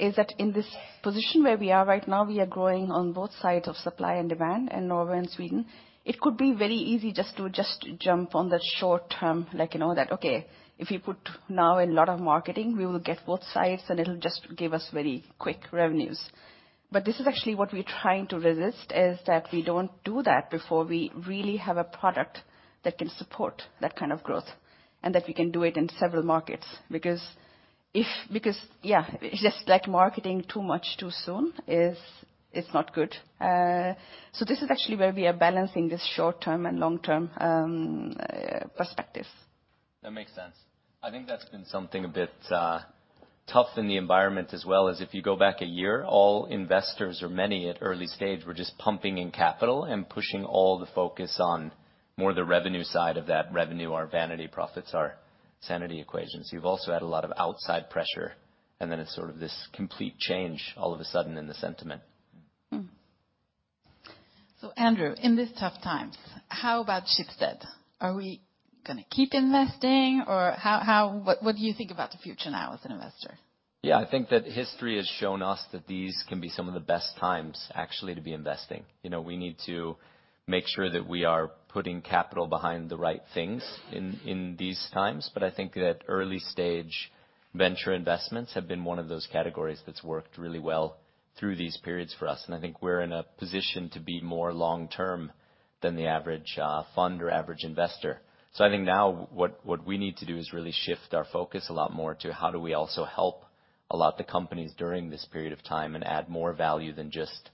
is that in this position where we are right now, we are growing on both sides of supply and demand in Norway and Sweden. It could be very easy just to just jump on the short term, like you know that, okay, if you put now a lot of marketing, we will get both sides and it'll just give us very quick revenues. This is actually what we're trying to resist, is that we don't do that before we really have a product that can support that kind of growth and that we can do it in several markets. Yeah, just like marketing too much too soon is, it's not good. This is actually where we are balancing this short-term and long-term perspective. That makes sense. I think that's been something a bit tough in the environment as well, is if you go back a year, all investors or many at early stage were just pumping in capital and pushing all the focus on more the revenue side of that revenue, our vanity profits, our sanity equations. You've also had a lot of outside pressure. It's sort of this complete change all of a sudden in the sentiment. Mm. Andrew, in these tough times, how about Schibsted? Are we gonna keep investing? What do you think about the future now as an investor? Yeah. I think that history has shown us that these can be some of the best times actually to be investing. You know, we need to make sure that we are putting capital behind the right things in these times. I think that early stage venture investments have been one of those categories that's worked really well through these periods for us, and I think we're in a position to be more long term than the average fund or average investor. I think now what we need to do is really shift our focus a lot more to how do we also help a lot the companies during this period of time and add more value than just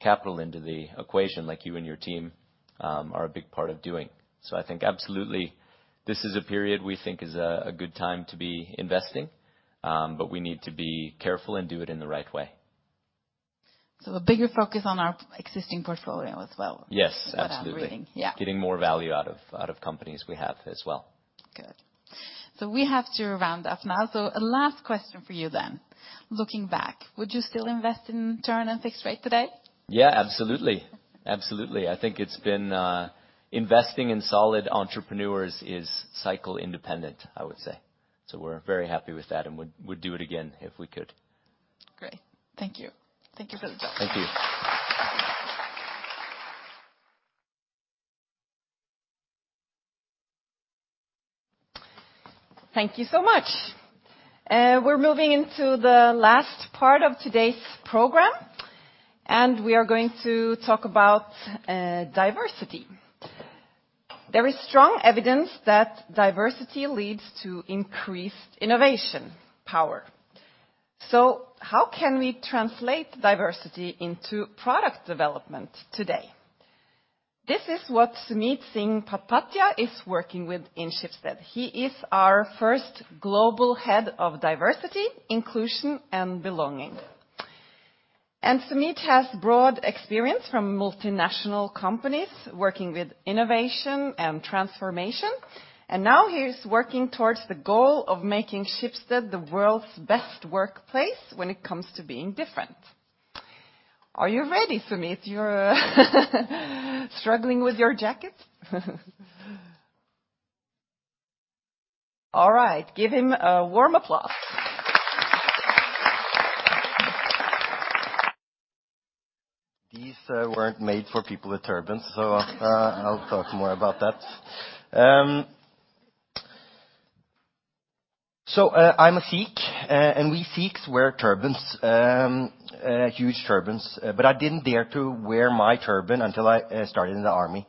capital into the equation like you and your team are a big part of doing. I think absolutely this is a period we think is a good time to be investing, but we need to be careful and do it in the right way. A bigger focus on our existing portfolio as well. Yes. Absolutely. without reading. Yeah. Getting more value out of companies we have as well. Good. We have to round up now. A last question for you then. Looking back, would you still invest in Tørn and Fixrate today? Yeah, absolutely. Absolutely. I think it's been... Investing in solid entrepreneurs is cycle independent, I would say. We're very happy with that and would do it again if we could. Great. Thank you. Thank you for the talk. Thank you. Thank you so much. We're moving into the last part of today's program, and we are going to talk about diversity. There is strong evidence that diversity leads to increased innovation power. How can we translate diversity into product development today? This is what Sumeet Singh Patpatia is working with in Schibsted. He is our first global head of diversity, inclusion, and belonging and Sumeet has broad experience from multinational companies working with innovation and transformation, and now he is working towards the goal of making Schibsted the world's best workplace when it comes to being different. Are you ready, Sumeet? You're struggling with your jacket. All right, give him a warm applause. These weren't made for people with turbans. I'll talk more about that. I'm a Sikh, and we Sikhs wear turbans, huge turbans. I didn't dare to wear my turban until I started in the Army.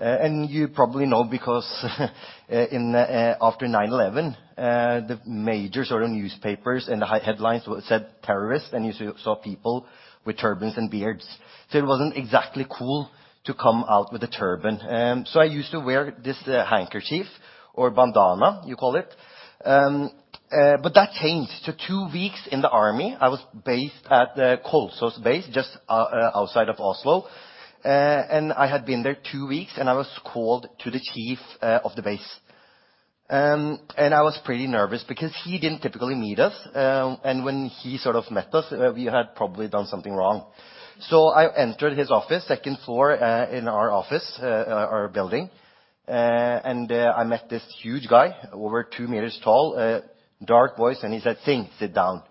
You probably know because in after 9/11, the major sort of newspapers and the headlines said, "Terrorists," and you saw people with turbans and beards. It wasn't exactly cool to come out with a turban. I used to wear this handkerchief or bandana, you call it. That changed to 2 weeks in the Army. I was based at the Kolsås base, just outside of Oslo. I had been there 2 weeks, and I was called to the Chief of the base. I was pretty nervous because he didn't typically meet us. When he sort of met us, we had probably done something wrong. I entered his office, second floor, in our office, our building. I met this huge guy over 2 meters tall, a dark voice, he said, "Singh, sit down."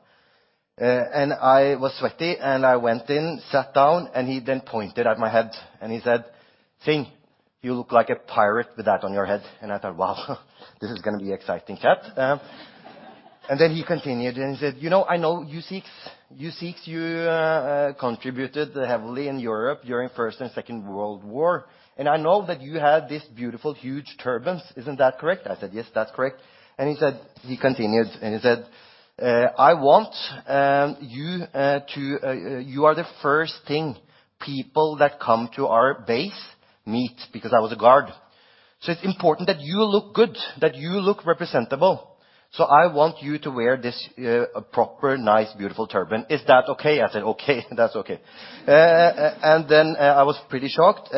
I was sweaty, I went in, sat down, he then pointed at my head, he said, "Singh, you look like a pirate with that on your head." I thought, "Wow, this is gonna be exciting chat." He continued, he said, "You know, I know you Sikhs. You Sikhs, you contributed heavily in Europe during First and Second World War, I know that you have these beautiful, huge turbans. Isn't that correct?" I said, "Yes, that's correct." He continued, "I want you to... You are the first thing people that come to our base meet," because I was a guard. "It's important that you look good, that you look representable. I want you to wear this proper, nice, beautiful turban. Is that okay?" I said, "Okay, that's okay." Then I was pretty shocked.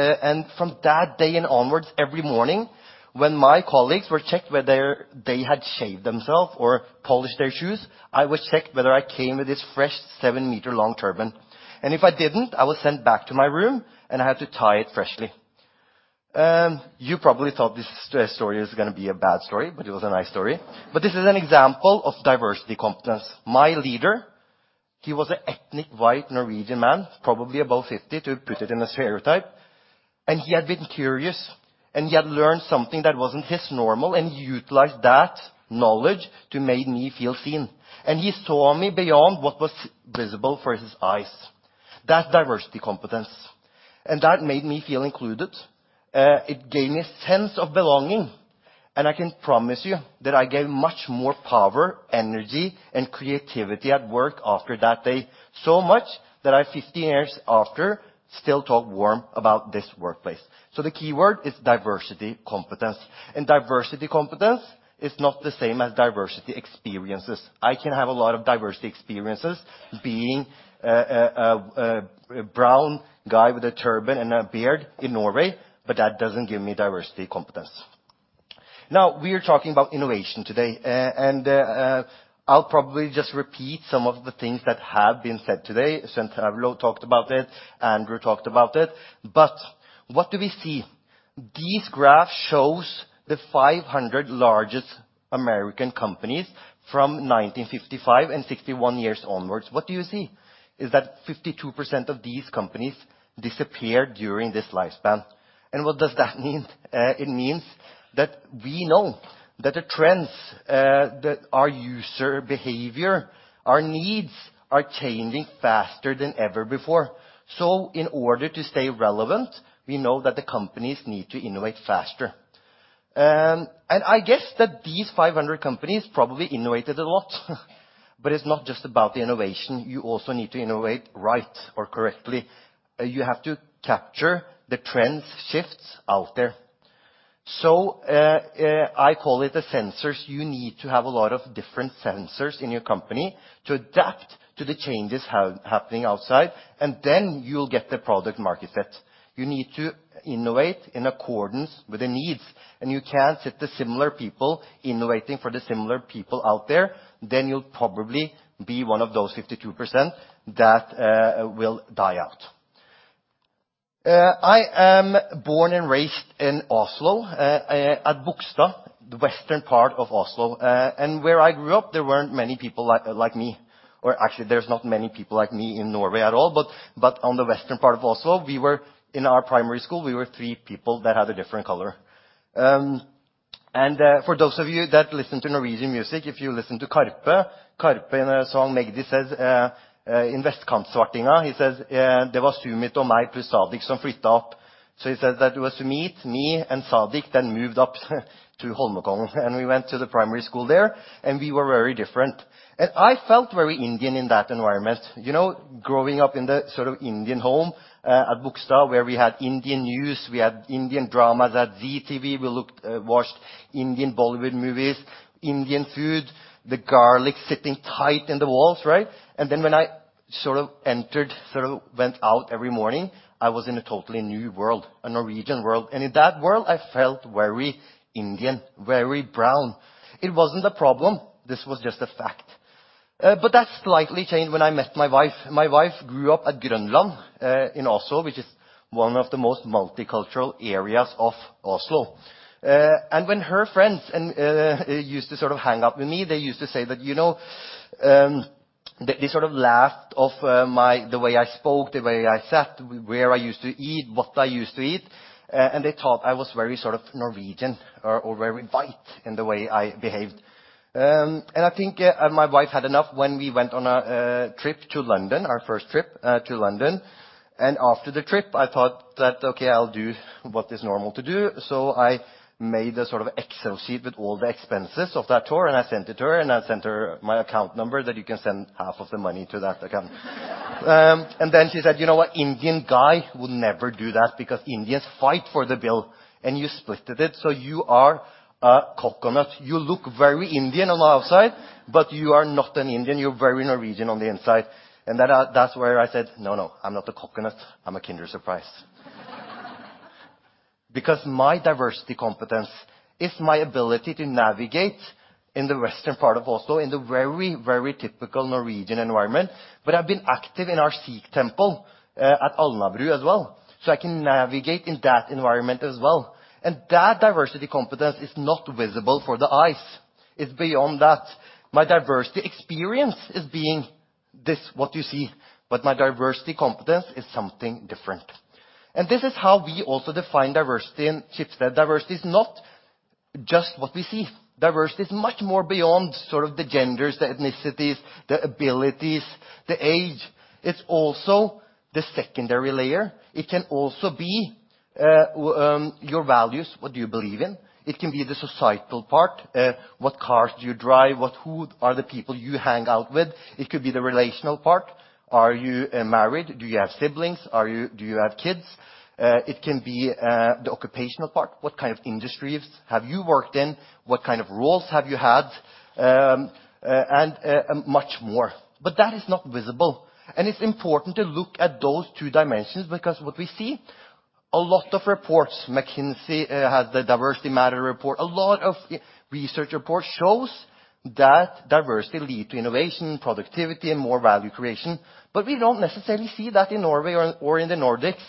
From that day and onwards, every morning when my colleagues were checked whether they had shaved themselves or polished their shoes, I was checked whether I came with this fresh seven-meter-long turban, and if I didn't, I was sent back to my room, and I had to tie it freshly. You probably thought this story is gonna be a bad story, but it was a nice story. This is an example of diversity competence. My leader, he was an ethnic white Norwegian man, probably above 50, to put it in a stereotype. He had been curious, and he had learned something that wasn't his normal and utilized that knowledge to make me feel seen. He saw me beyond what was visible for his eyes. That's diversity competence, and that made me feel included. It gave me a sense of belonging, and I can promise you that I gained much more power, energy, and creativity at work after that day. Much that I, 15 years after, still talk warm about this workplace. The keyword is diversity competence. Diversity competence is not the same as diversity experiences. I can have a lot of diversity experiences being a brown guy with a turban and a beard in Norway, but that doesn't give me diversity competence. We are talking about innovation today, and I'll probably just repeat some of the things that have been said today since Arlo talked about it, Andrew talked about it. What do we see? These graph shows the 500 largest American companies from 1955 and 61 years onwards. What do you see? Is that 52% of these companies disappear during this lifespan. What does that mean? It means that we know that the trends, that our user behavior, our needs are changing faster than ever before. In order to stay relevant, we know that the companies need to innovate faster. I guess that these 500 companies probably innovated a lot, but it's not just about the innovation. You also need to innovate right or correctly. You have to capture the trends shifts out there. I call it the sensors. You need to have a lot of different sensors in your company to adapt to the changes happening outside, and then you'll get the product-market fit. You need to innovate in accordance with the needs, and you can't sit the similar people innovating for the similar people out there. You'll probably be one of those 52% that will die out. I am born and raised in Oslo, at Bogstad, the western part of Oslo. Where I grew up, there weren't many people like me, or actually, there's not many people like me in Norway at all. On the western part of Oslo, in our primary school, we were three people that had a different color. For those of you that listen to Norwegian music, if you listen to Karpe. Karpe in the song, "Meg det says", in Vestkantavisa, he says, "Det var Sumit og meg pluss Sadiq som flytta opp." He says that it was Sumit, me and Sadiq then moved up to Holmenkollen, and we went to the primary school there, and we were very different. I felt very Indian in that environment. You know, growing up in the sort of Indian home, at Bogstad, where we had Indian news, we had Indian dramas at Zee TV. We watched Indian Bollywood movies, Indian food, the garlic sitting tight in the walls, right? When I sort of went out every morning, I was in a totally new world, a Norwegian world. In that world, I felt very Indian, very brown. It wasn't a problem. This was just a fact. That slightly changed when I met my wife. My wife grew up at Grønland, in Oslo, which is one of the most multicultural areas of Oslo. When her friends and used to sort of hang out with me, they used to say that, you know, they sort of laughed of the way I spoke, the way I sat, where I used to eat, what I used to eat, they thought I was very sort of Norwegian or very white in the way I behaved. I think my wife had enough when we went on a trip to London, our first trip to London. After the trip, I thought that, okay, I'll do what is normal to do. I made a sort of Excel sheet with all the expenses of that tour, and I sent it to her and I sent her my account number that you can send half of the money to that account. She said, "You know what? Indian guy would never do that because Indians fight for the bill, and you splitted it, so you are a coconut. You look very Indian on the outside, but you are not an Indian. You're very Norwegian on the inside." That's where I said, "No, no, I'm not a coconut, I'm a Kinder Surprise." My diversity competence is my ability to navigate in the western part of Oslo, in the very, very typical Norwegian environment. I've been active in our Sikh temple at Alnabru as well, so I can navigate in that environment as well. That diversity competence is not visible for the eyes. It's beyond that. My diversity experience is being this, what you see, but my diversity competence is something different. This is how we also define diversity in Schibsted. Diversity is not just what we see. Diversity is much more beyond sort of the genders, the ethnicities, the abilities, the age. It's also the secondary layer. It can also be your values, what do you believe in? It can be the societal part. What cars do you drive? Who are the people you hang out with? It could be the relational part. Are you married? Do you have siblings? Do you have kids? It can be the occupational part. What kind of industries have you worked in? What kind of roles have you had? Much more. That is not visible, and it's important to look at those two dimensions because what we see, a lot of reports, McKinsey has the Diversity Matters report. A lot of research reports shows that diversity lead to innovation, productivity and more value creation. We don't necessarily see that in Norway or in the Nordics.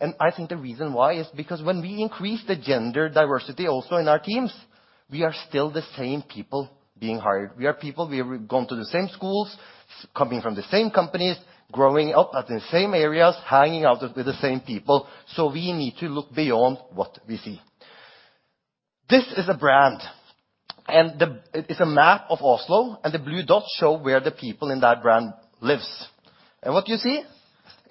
I think the reason why is because when we increase the gender diversity also in our teams, we are still the same people being hired. We are people, we have gone to the same schools, coming from the same companies, growing up at the same areas, hanging out with the same people. We need to look beyond what we see. This is a brand, it is a map of Oslo, and the blue dots show where the people in that brand lives. What you see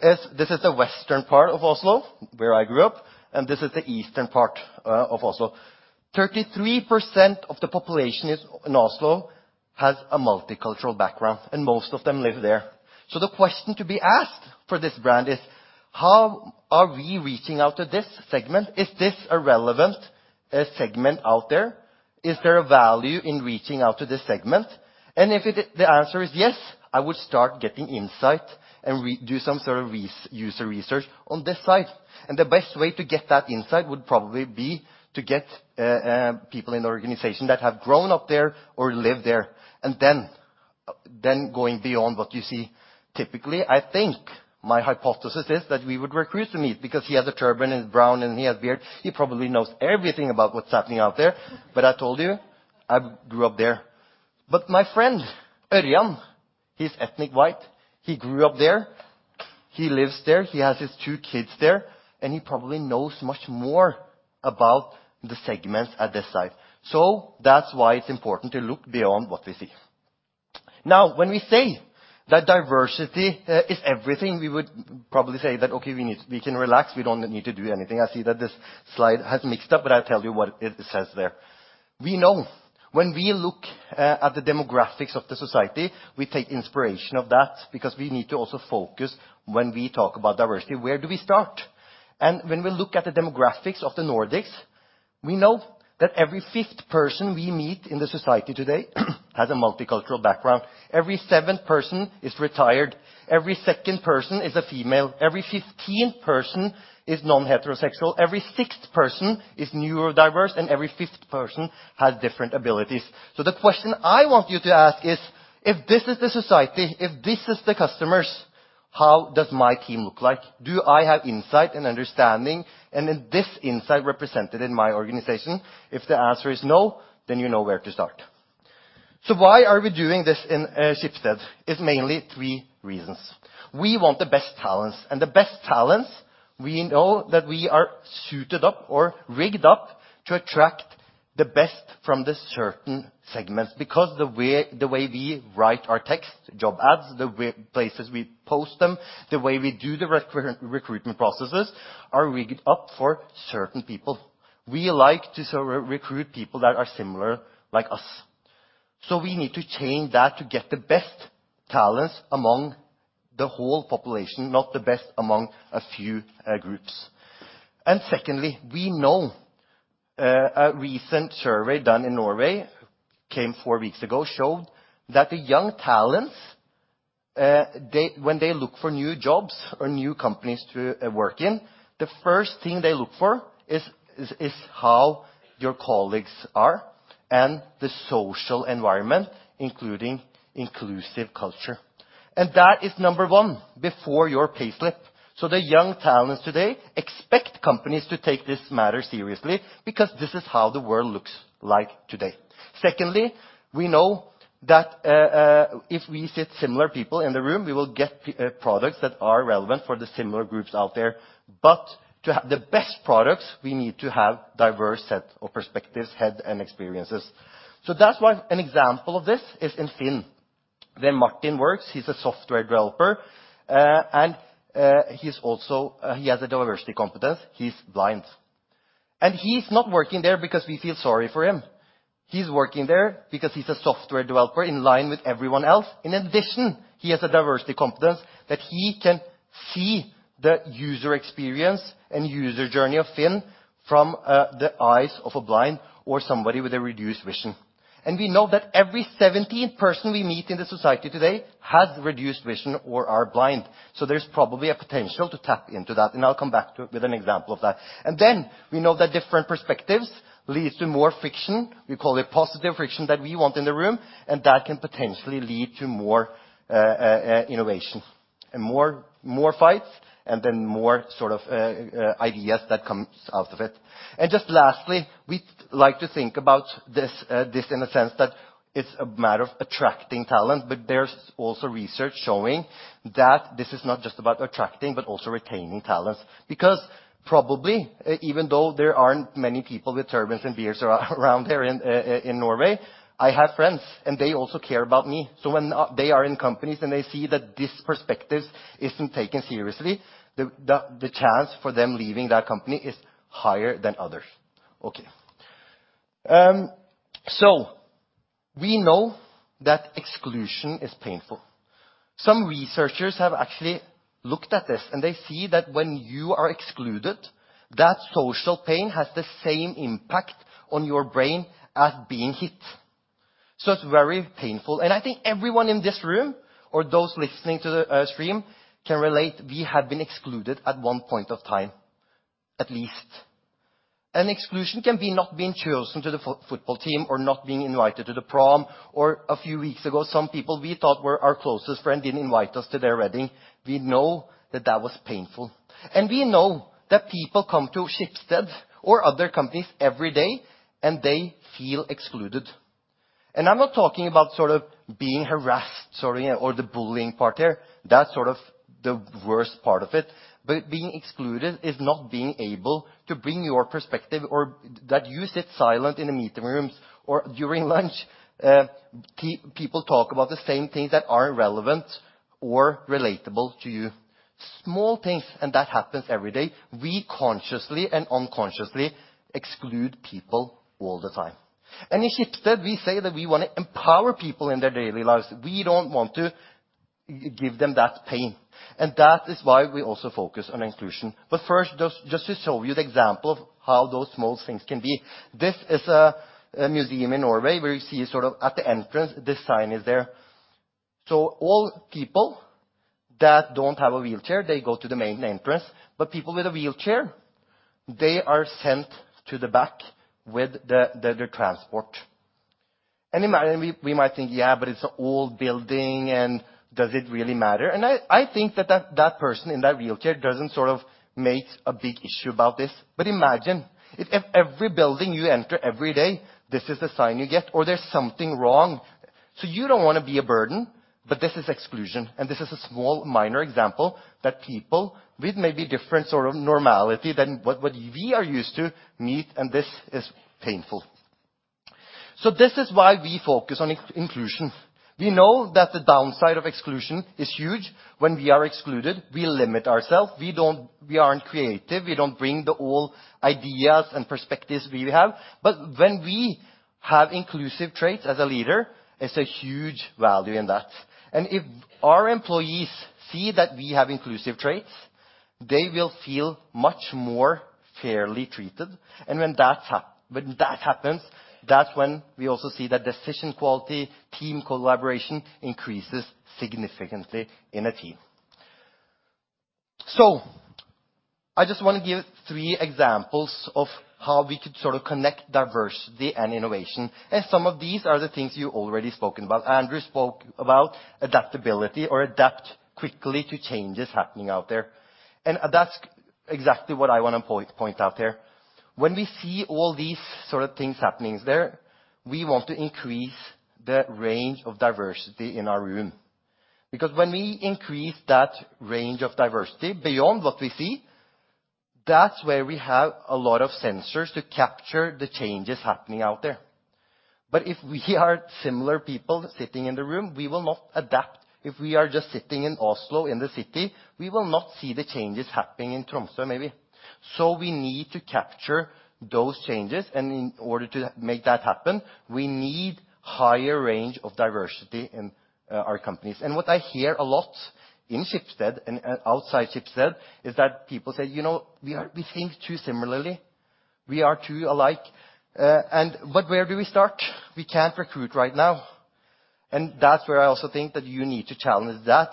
is this is the western part of Oslo, where I grew up, and this is the eastern part of Oslo. 33% of the population in Oslo has a multicultural background, and most of them live there. The question to be asked for this brand is: how are we reaching out to this segment? Is this a relevant segment out there? Is there a value in reaching out to this segment? If the answer is yes, I would start getting insight and do some sort of user research on this side. The best way to get that insight would probably be to get people in the organization that have grown up there or live there, and then going beyond what you see. Typically, I think my hypothesis is that we would recruit Sumeet because he has a turban and is brown and he has beard. He probably knows everything about what's happening out there. I told you, I grew up there. My friend, Örjan, he's ethnic white. He grew up there. He lives there. He has his two kids there, and he probably knows much more about the segments at this side. That's why it's important to look beyond what we see. Now, when we say that diversity is everything, we would probably say that, okay, we can relax. We don't need to do anything. I see that this slide has mixed up, I'll tell you what it says there. We know when we look at the demographics of the society, we take inspiration of that because we need to also focus when we talk about diversity, where do we start? When we look at the demographics of the Nordics, we know that every fifth person we meet in the society today has a multicultural background. Every seventh person is retired. Every second person is a female. Every fifteenth person is non-heterosexual. Every sixth person is neurodiverse, and every fifth person has different abilities. The question I want you to ask is, if this is the society, if this is the customers, how does my team look like? Do I have insight and understanding and is this insight represented in my organization? If the answer is no, then you know where to start. Why are we doing this in Schibsted? It's mainly 3 reasons. We want the best talents, we know that we are suited up or rigged up to attract the best from the certain segments. The way we write our text, job ads, the way places we post them, the way we do the recruitment processes are rigged up for certain people. We like to sort of recruit people that are similar like us. We need to change that to get the best talents among the whole population, not the best among a few groups. Secondly, we know a recent survey done in Norway came four weeks ago, showed that the young talents when they look for new jobs or new companies to work in, the first thing they look for is how your colleagues are and the social environment, including inclusive culture. That is number one before your payslip. The young talents today expect companies to take this matter seriously, because this is how the world looks like today. Secondly, we know that if we sit similar people in the room, we will get products that are relevant for the similar groups out there. To have the best products, we need to have diverse set of perspectives, head and experiences. That's why an example of this is in Finn, where Martin works. He's a software developer, and he's also he has a diversity competence. He's blind, and he's not working there because we feel sorry for him. He's working there because he's a software developer in line with everyone else. In addition, he has a diversity competence that he can see the user experience and user journey of Finn from the eyes of a blind or somebody with a reduced vision. We know that every seventeenth person we meet in the society today has reduced vision or are blind. There's probably a potential to tap into that, and I'll come back to it with an example of that. We know that different perspectives leads to more friction. We call it positive friction that we want in the room, that can potentially lead to more innovation and more fights and more sort of ideas that comes out of it. Just lastly, we like to think about this this in a sense that it's a matter of attracting talent, but there's also research showing that this is not just about attracting, but also retaining talents. Probably, even though there aren't many people with turbans and beards around there in Norway, I have friends, and they also care about me. When they are in companies and they see that this perspective isn't taken seriously, the chance for them leaving that company is higher than others. Okay. We know that exclusion is painful. Some researchers have actually looked at this, and they see that when you are excluded, that social pain has the same impact on your brain as being hit. It's very painful. I think everyone in this room or those listening to the stream can relate. We have been excluded at one point of time at least. Exclusion can be not being chosen to the football team or not being invited to the prom or a few weeks ago, some people we thought were our closest friend didn't invite us to their wedding. We know that that was painful. We know that people come to Schibsted or other companies every day, and they feel excluded. I'm not talking about sort of being harassed sorry or the bullying part there. That's sort of the worst part of it. Being excluded is not being able to bring your perspective or that you sit silent in the meeting rooms or during lunch, people talk about the same things that aren't relevant or relatable to you. Small things, that happens every day. We consciously and unconsciously exclude people all the time. In Schibsted, we say that we wanna empower people in their daily lives. We don't want to give them that pain, that is why we also focus on inclusion. First, just to show you the example of how those small things can be, this is a museum in Norway where you see sort of at the entrance this sign is there. All people that don't have a wheelchair, they go to the main entrance. People with a wheelchair, they are sent to the back with the transport. Imagine we might think, "Yeah, but it's an old building, and does it really matter?" I think that person in that wheelchair doesn't sort of make a big issue about this. Imagine if every building you enter, every day, this is the sign you get or there's something wrong. You don't wanna be a burden, but this is exclusion, and this is a small minor example that people with maybe different sort of normality than what we are used to meet, and this is painful. This is why we focus on inclusion. We know that the downside of exclusion is huge. When we are excluded, we limit ourself. We aren't creative. We don't bring the all ideas and perspectives we have. When we have inclusive traits as a leader, it's a huge value in that. If our employees see that we have inclusive traits, they will feel much more fairly treated. When that happens, that's when we also see that decision quality, team collaboration increases significantly in a team. I just want to give three examples of how we could sort of connect diversity and innovation, and some of these are the things you already spoken about. Andrew spoke about adaptability or adapt quickly to changes happening out there, that's exactly what I wanna point out there. When we see all these sort of things happenings there, we want to increase the range of diversity in our room. When we increase that range of diversity beyond what we see, that's where we have a lot of sensors to capture the changes happening out there. If we are similar people sitting in the room, we will not adapt. If we are just sitting in Oslo, in the city, we will not see the changes happening in Tromsø, maybe. We need to capture those changes. In order to make that happen, we need higher range of diversity in our companies. What I hear a lot in Schibsted and outside Schibsted, is that people say, "You know, we think too similarly, we are too alike. But where do we start? We can't recruit right now." That's where I also think that you need to challenge that.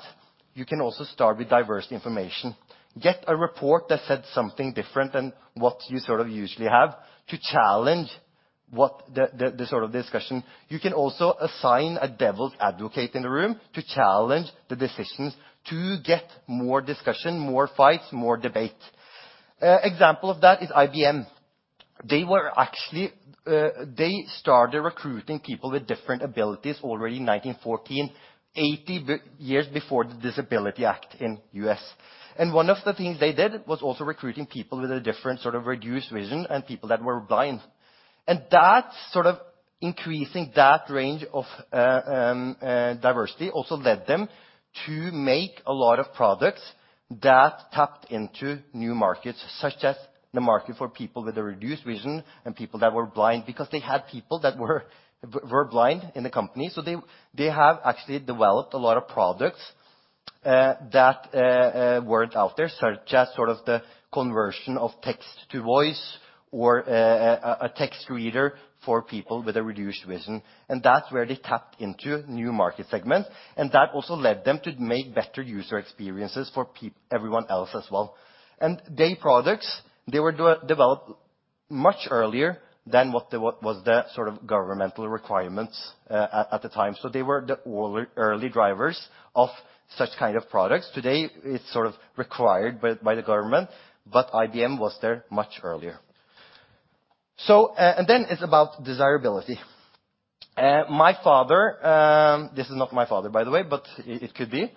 You can also start with diversity information. Get a report that said something different than what you sort of usually have to challenge what the sort of discussion. You can also assign a devil's advocate in the room to challenge the decisions to get more discussion, more fights, more debate. Example of that is IBM. They were actually, They started recruiting people with different abilities already in 1914, 80 years before the Disability Act in U.S. One of the things they did was also recruiting people with a different sort of reduced vision and people that were blind. That's sort of increasing that range of diversity also led them to make a lot of products that tapped into new markets, such as the market for people with a reduced vision and people that were blind because they had people that were blind in the company. They have actually developed a lot of products that weren't out there, such as sort of the conversion of text-to-voice or a text reader for people with a reduced vision. That's where they tapped into new market segments, and that also led them to make better user experiences for everyone else as well. Their products, they were developed much earlier than what was the sort of governmental requirements at the time. They were the early drivers of such kind of products. Today, it's sort of required by the government, but IBM was there much earlier. Then it's about desirability. My father, this is not my father, by the way, but it could be.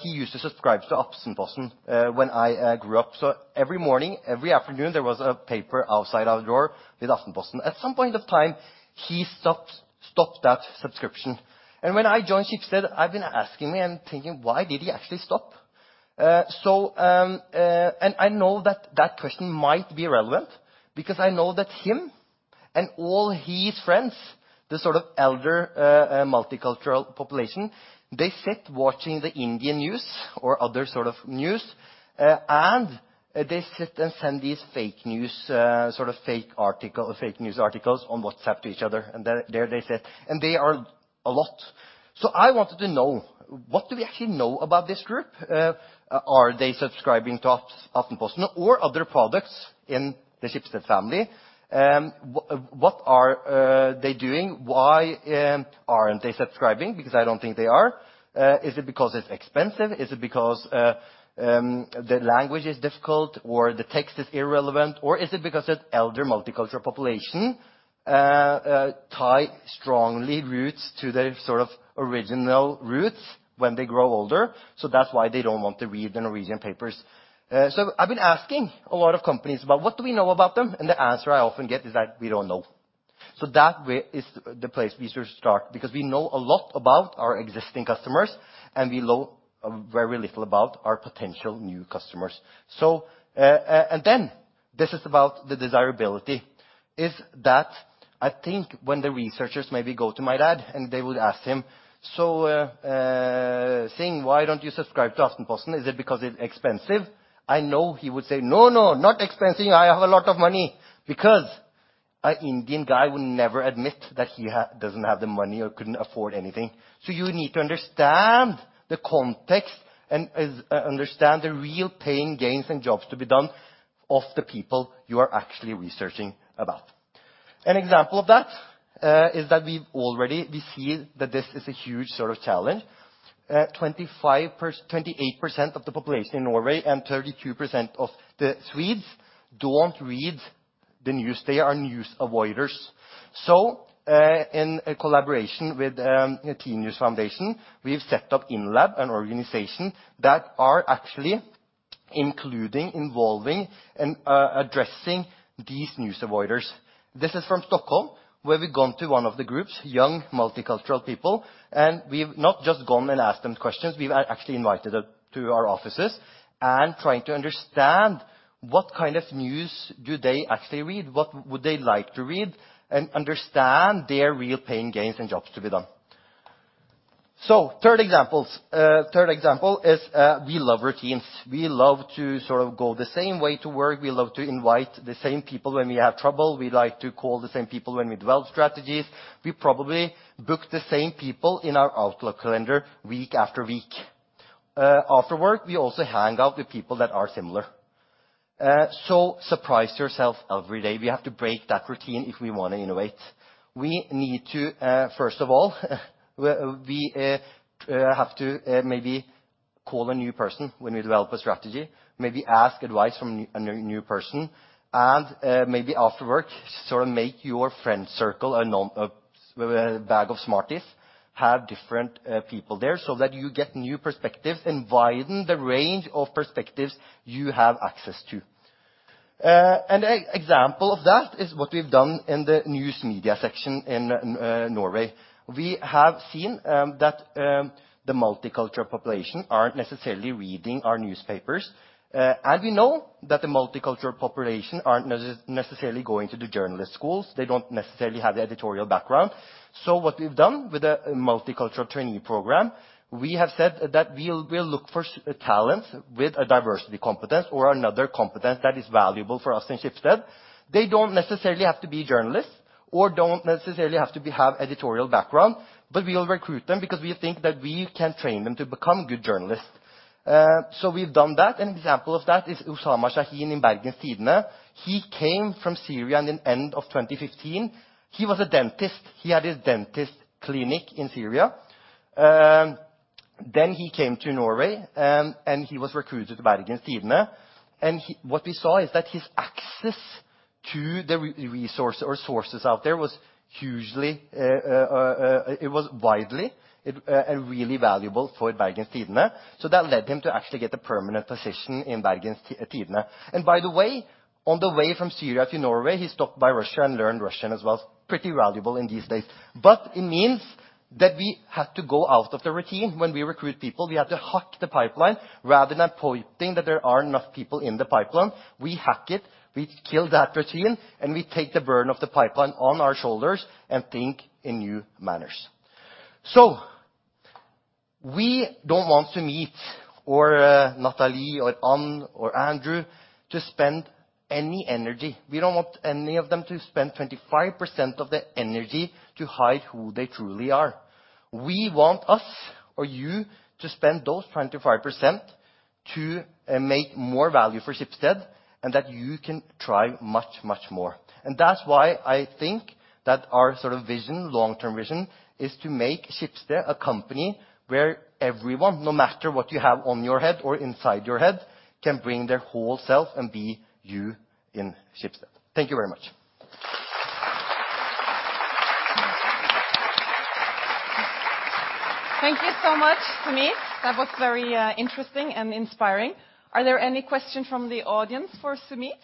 He used to subscribe to Aftenposten when I grew up. Every morning, every afternoon, there was a paper outside our door with Aftenposten. At some point of time, he stopped that subscription, and when I joined Schibsted, I've been asking and thinking, "Why did he actually stop?" I know that that question might be relevant because I know that him and all his friends, the sort of elder, multicultural population, they sit watching the Indian news or other sort of news, and they sit and send these fake news, sort of fake article or fake news articles on WhatsApp to each other, and there they sit, and they are a lot. I wanted to know, what do we actually know about this group? Are they subscribing to Aftenposten or other products in the Schibsted family? What are they doing? Why aren't they subscribing? I don't think they are. Is it because it's expensive? Is it because the language is difficult or the text is irrelevant? Is it because it's elder multicultural population tie strongly roots to their sort of original roots when they grow older, so that's why they don't want to read the Norwegian papers. I've been asking a lot of companies about what do we know about them, and the answer I often get is that we don't know. That way is the place we should start, because we know a lot about our existing customers and we know very little about our potential new customers. This is about the desirability, is that I think when the researchers maybe go to my dad and they would ask him, "Singh, why don't you subscribe to Aftenposten? Is it because it's expensive?" I know he would say, "No, no, not expensive. I have a lot of money." Because an Indian guy would never admit that he doesn't have the money or couldn't afford anything. You need to understand the context and understand the real pain gains and jobs to be done of the people you are actually researching about. An example of that is that we see that this is a huge sort of challenge. 28% of the population in Norway and 32% of the Swedes don't read the news. They are news avoiders. In a collaboration with a Tinius Trust, we've set up IN/LAB, an organization that are actually including, involving, and addressing these news avoiders. This is from Stockholm, where we've gone to one of the groups, young multicultural people, and we've not just gone and asked them questions, we've actually invited them to our offices and trying to understand what kind of news do they actually read, what would they like to read, and understand their real pain gains and jobs to be done. Third example is we love routines. We love to sort of go the same way to work. We love to invite the same people when we have trouble. We like to call the same people when we develop strategies. We probably book the same people in our Outlook calendar week after week. After work, we also hang out with people that are similar. Surprise yourself every day. We have to break that routine if we wanna innovate. We need to first of all, we have to maybe call a new person when we develop a strategy, maybe ask advice from a new person and maybe after work, sort of make your friend circle a non bag of smarties, have different people there so that you get new perspectives and widen the range of perspectives you have access to. An e-example of that is what we've done in the news media section in Norway. We have seen that the multicultural population aren't necessarily reading our newspapers. We know that the multicultural population aren't necessarily going to the journalist schools. They don't necessarily have the editorial background. What we've done with a multicultural training program, we have said that we'll look for talents with a diversity competence or another competence that is valuable for us in Schibsted. They don't necessarily have to be journalists or don't necessarily have editorial background, we will recruit them because we think that we can train them to become good journalists. We've done that. An example of that is Usama Shahin in Bergens Tidende. He came from Syria in end of 2015. He was a dentist. He had his dentist clinic in Syria. He came to Norway, and he was recruited to Bergens Tidende. what we saw is that his access to the resource or sources out there was hugely, it was widely and really valuable for Bergens Tidende. That led him to actually get a permanent position in Bergens Tidende. By the way, on the way from Syria to Norway, he stopped by Russia and learned Russian as well. Pretty valuable in these days. It means that we have to go out of the routine when we recruit people. We have to hack the pipeline rather than pointing that there are enough people in the pipeline. We hack it, we kill that routine, and we take the burden of the pipeline on our shoulders and think in new manners. We don't want to meet or Natalie or Ann or Andrew to spend any energy. We don't want any of them to spend 25% of their energy to hide who they truly are. We want us or you to spend those 25% to make more value for Schibsted and that you can try much, much more. That's why I think that our sort of vision, long-term vision is to make Schibsted a company where everyone, no matter what you have on your head or inside your head, can bring their whole self and be you in Schibsted. Thank you very much. Thank you so much, Sumeet. That was very, interesting and inspiring. Are there any question from the audience for Sumeet?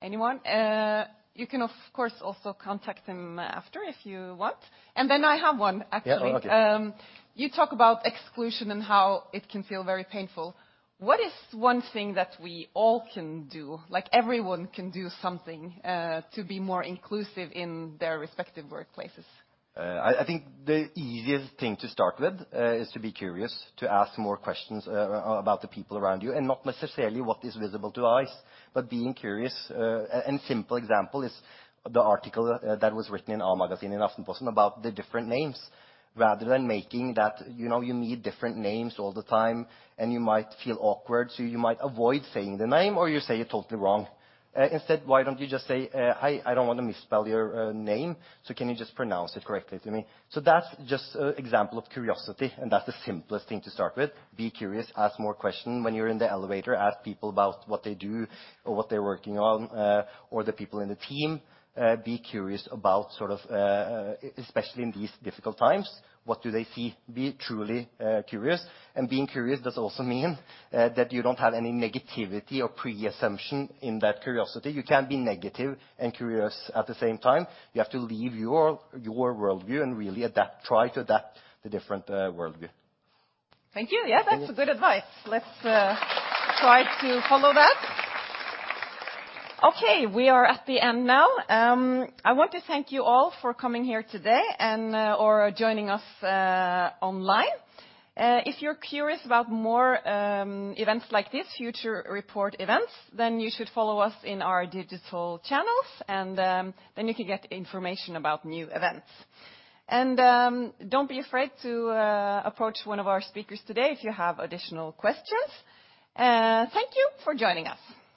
Anyone? You can of course also contact him after if you want. I have one, actually. Yeah. Okay. You talk about exclusion and how it can feel very painful. What is one thing that we all can do? Everyone can do something to be more inclusive in their respective workplaces. I think the easiest thing to start with is to be curious, to ask more questions about the people around you, and not necessarily what is visible to eyes, but being curious. A simple example is the article that was written in A-magasinet in Aftenposten about the different names, rather than making that, you know, you meet different names all the time, and you might feel awkward, so you might avoid saying the name or you say it totally wrong. Instead, why don't you just say, "I don't want to misspell your name, so can you just pronounce it correctly to me?" That's just an example of curiosity, and that's the simplest thing to start with. Be curious. Ask more question. When you're in the elevator, ask people about what they do or what they're working on, or the people in the team, be curious about sort of, especially in these difficult times, what do they see? Be truly, curious. Being curious does also mean that you don't have any negativity or preassumption in that curiosity. You can't be negative and curious at the same time. You have to leave your worldview and really adapt, try to adapt the different, worldview. Thank you. Yeah, that's a good advice. Mm-hmm. Let's try to follow that. Okay, we are at the end now. I want to thank you all for coming here today and or joining us online. If you're curious about more events like this, Future Report events, then you should follow us in our digital channels and then you can get information about new events. Don't be afraid to approach one of our speakers today if you have additional questions. Thank you for joining us.